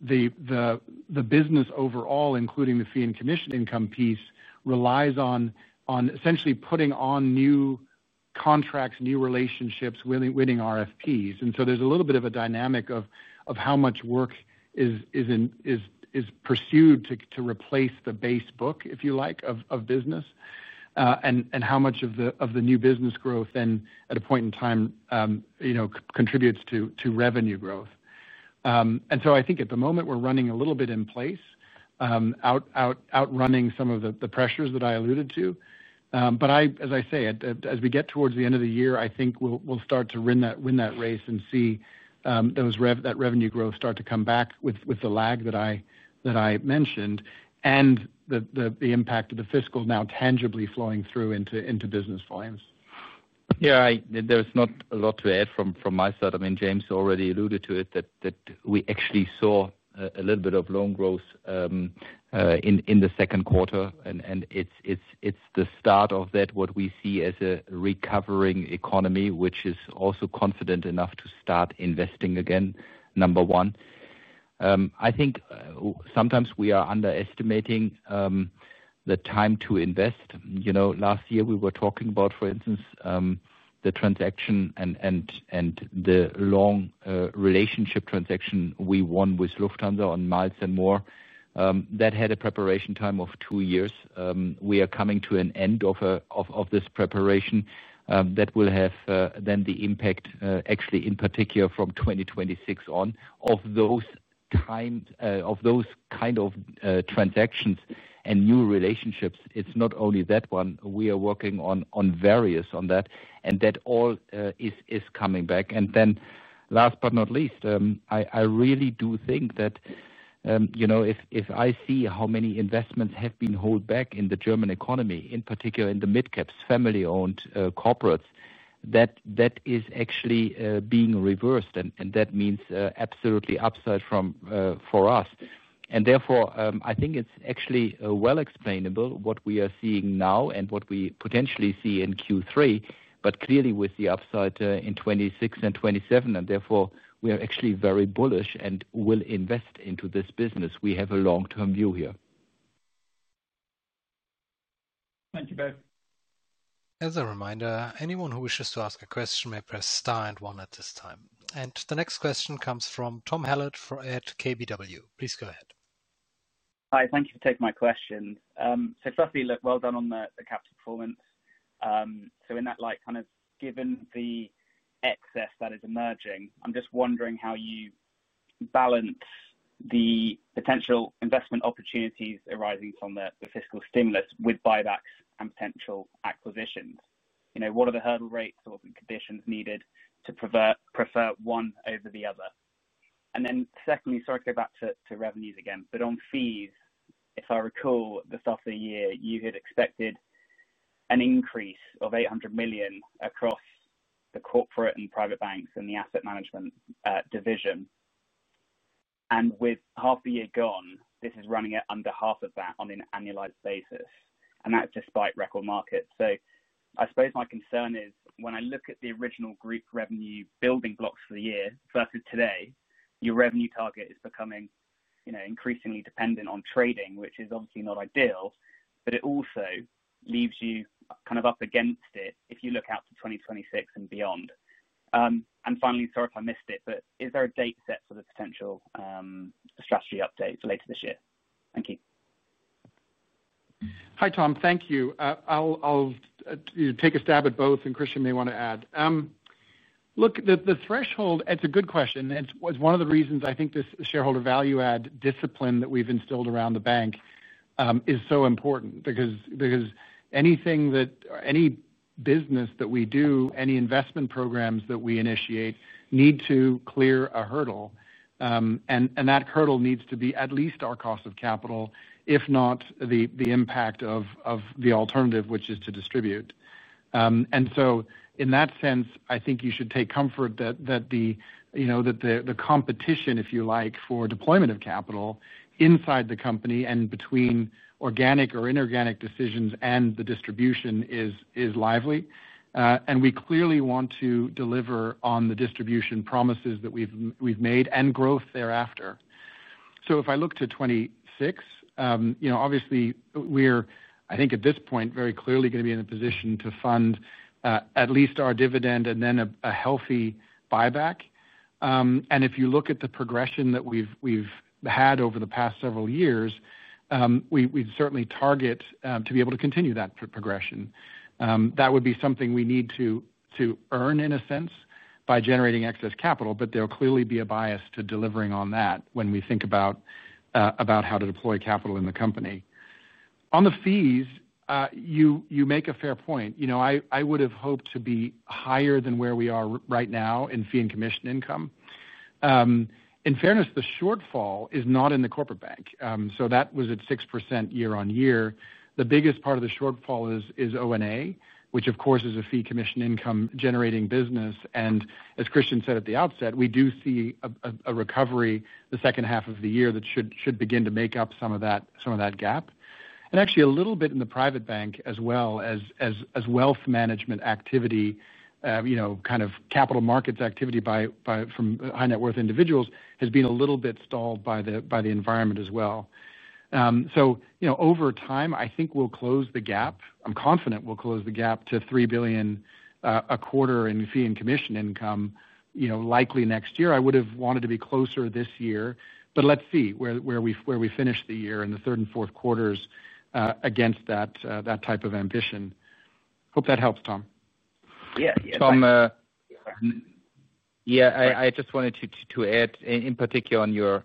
The business overall, including the fee and commission income piece, relies on essentially putting on new contracts, new relationships, winning RFPs. There is a little bit of a dynamic of how much work is pursued to replace the base book, if you like, of business, and how much of the new business growth then at a point in time contributes to revenue growth. I think at the moment, we are running a little bit in place, outrunning some of the pressures that I alluded to. As I say, as we get towards the end of the year, I think we will start to win that race and see that revenue growth start to come back with the lag that I mentioned and the impact of the fiscal now tangibly flowing through into business volumes. There is not a lot to add from my side. I mean, James already alluded to it, that we actually saw a little bit of loan growth in the second quarter. It is the start of that, what we see as a recovering economy, which is also confident enough to start investing again, number one. I think sometimes we are underestimating the time to invest. Last year, we were talking about, for instance, the transaction and the long relationship transaction we won with Lufthansa on Miles & More. That had a preparation time of two years. We are coming to an end of this preparation that will have then the impact actually in particular from 2026 on. Of those kind of transactions and new relationships, it is not only that one. We are working on various on that, and that all is coming back. Last but not least, I really do think that if I see how many investments have been held back in the German economy, in particular in the midcaps, family-owned corporates, that is actually being reversed. That means absolutely upside for us. Therefore, I think it is actually well explainable what we are seeing now and what we potentially see in Q3, but clearly with the upside in 2026 and 2027. Therefore, we are actually very bullish and will invest into this business. We have a long-term view here. Thank you both. As a reminder, anyone who wishes to ask a question may press star and one at this time. The next question comes from Tom Hallett at KBW. Please go ahead. Hi, thank you for taking my question. Firstly, look, well done on the capital performance. In that light, kind of given the excess that is emerging, I am just wondering how you balance the potential investment opportunities arising from the fiscal stimulus with buybacks and potential acquisitions. What are the hurdle rates or conditions needed to prefer one over the other? Secondly, sorry to go back to revenues again, but on fees, if I recall at the start of the year, you had expected an increase of 800 million across the corporate and private banks and the asset management division. With half the year gone, this is running at under half of that on an annualized basis, and that is despite record markets. I suppose my concern is when I look at the original group revenue building blocks for the year versus today, your revenue target is becoming increasingly dependent on trading, which is obviously not ideal, but it also leaves you kind of up against it if you look out to 2026 and beyond. Finally, sorry if I missed it, but is there a date set for the potential strategy update for later this year? Thank you. Hi, Tom. Thank you. I will take a stab at both, and Christian may want to add. The threshold, it is a good question. It is one of the reasons I think this shareholder value-add discipline that we have instilled around the bank is so important because anything that, any business that we do, any investment programs that we initiate need to clear a hurdle. That hurdle needs to be at least our cost of capital, if not the impact of the alternative, which is to distribute. In that sense, I think you should take comfort that the competition, if you like, for deployment of capital inside the company and between organic or inorganic decisions and the distribution is lively. We clearly want to deliver on the distribution promises that we have made and growth thereafter. If I look to 2026, obviously, we are, I think at this point, very clearly going to be in a position to fund at least our dividend and then a healthy buyback. If you look at the progression that we have had over the past several years, we would certainly target to be able to continue that progression. That would be something we need to earn in a sense by generating excess capital, but there will clearly be a bias to delivering on that when we think about how to deploy capital in the company. On the fees, you make a fair point. I would have hoped to be higher than where we are right now in fee and commission income. In fairness, the shortfall is not in the corporate bank. That was at 6% year-on-year. The biggest part of the shortfall is O&A, which of course is a fee-commission-income-generating business. As Christian said at the outset, we do see a recovery the second half of the year that should begin to make up some of that gap. Actually, a little bit in the private bank as well as wealth management activity. Kind of capital markets activity from high-net-worth individuals has been a little bit stalled by the environment as well. Over time, I think we will close the gap. I am confident we will close the gap to 3 billion a quarter in fee and commission income likely next year. I would have wanted to be closer this year, but let us see where we finish the year in the third and fourth quarters against that type of ambition. Hope that helps, Tom. Yeah. Tom. Yeah, I just wanted to add, in particular on your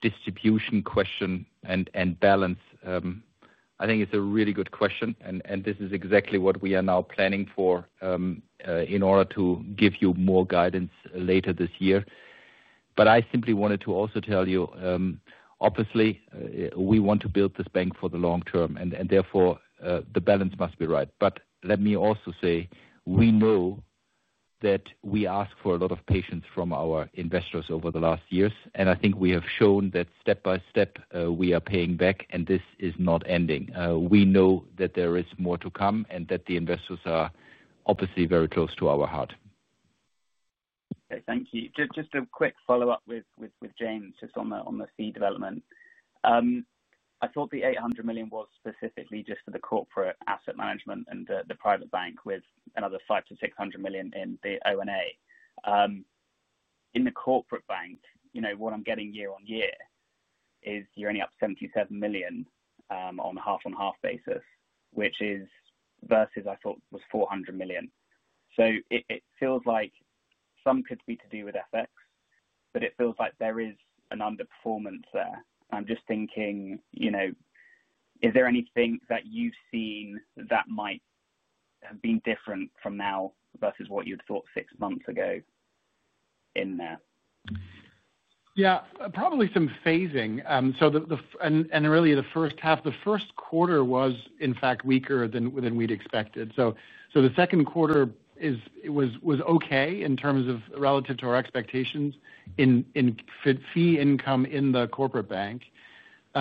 distribution question and balance. I think it is a really good question, and this is exactly what we are now planning for in order to give you more guidance later this year. I simply wanted to also tell you, obviously, we want to build this bank for the long term, and therefore, the balance must be right. Let me also say, we know that we ask for a lot of patience from our investors over the last years, and I think we have shown that step by step we are paying back, and this is not ending. We know that there is more to come and that the investors are obviously very close to our heart. Okay. Thank you. Just a quick follow-up with James just on the fee development. I thought the 800 million was specifically just for the corporate asset management and the private bank with another 500 million-600 million in the O&A. In the corporate bank, what I am getting year-on-year is you are only up 77 million. On a half-on-half basis, which versus I thought was 400 million. It feels like some could be to do with FX, but it feels like there is an underperformance there. I am just thinking, is there anything that you have seen that might have been different from now versus what you thought six months ago in there? Yeah, probably some phasing. Really, the first quarter was, in fact, weaker than we had expected. The second quarter was okay in terms of relative to our expectations in fee income in the corporate bank. We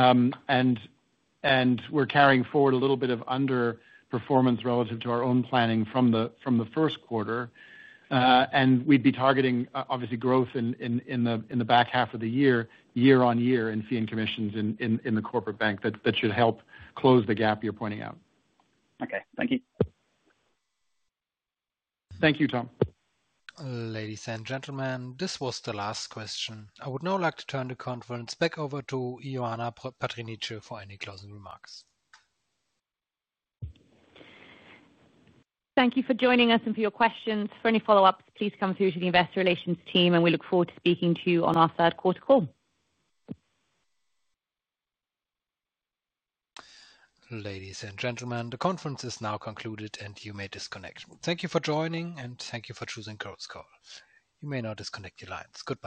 are carrying forward a little bit of underperformance relative to our own planning from the first quarter. We would be targeting, obviously, growth in the back half of the year year-on-year in fee and commissions in the corporate bank that should help close the gap you are pointing out. Okay. Thank you. Thank you, Tom. Ladies and gentlemen, this was the last question. I would now like to turn the conference back over to Ioana Patriniche for any closing remarks. Thank you for joining us and for your questions. For any follow-ups, please come through to the Investor Relations team, and we look forward to speaking to you on our third quarter call. Ladies and gentlemen, the conference is now concluded, and you may disconnect. Thank you for joining, and thank you for choosing Chorus Call. You may now disconnect your lines. Goodbye.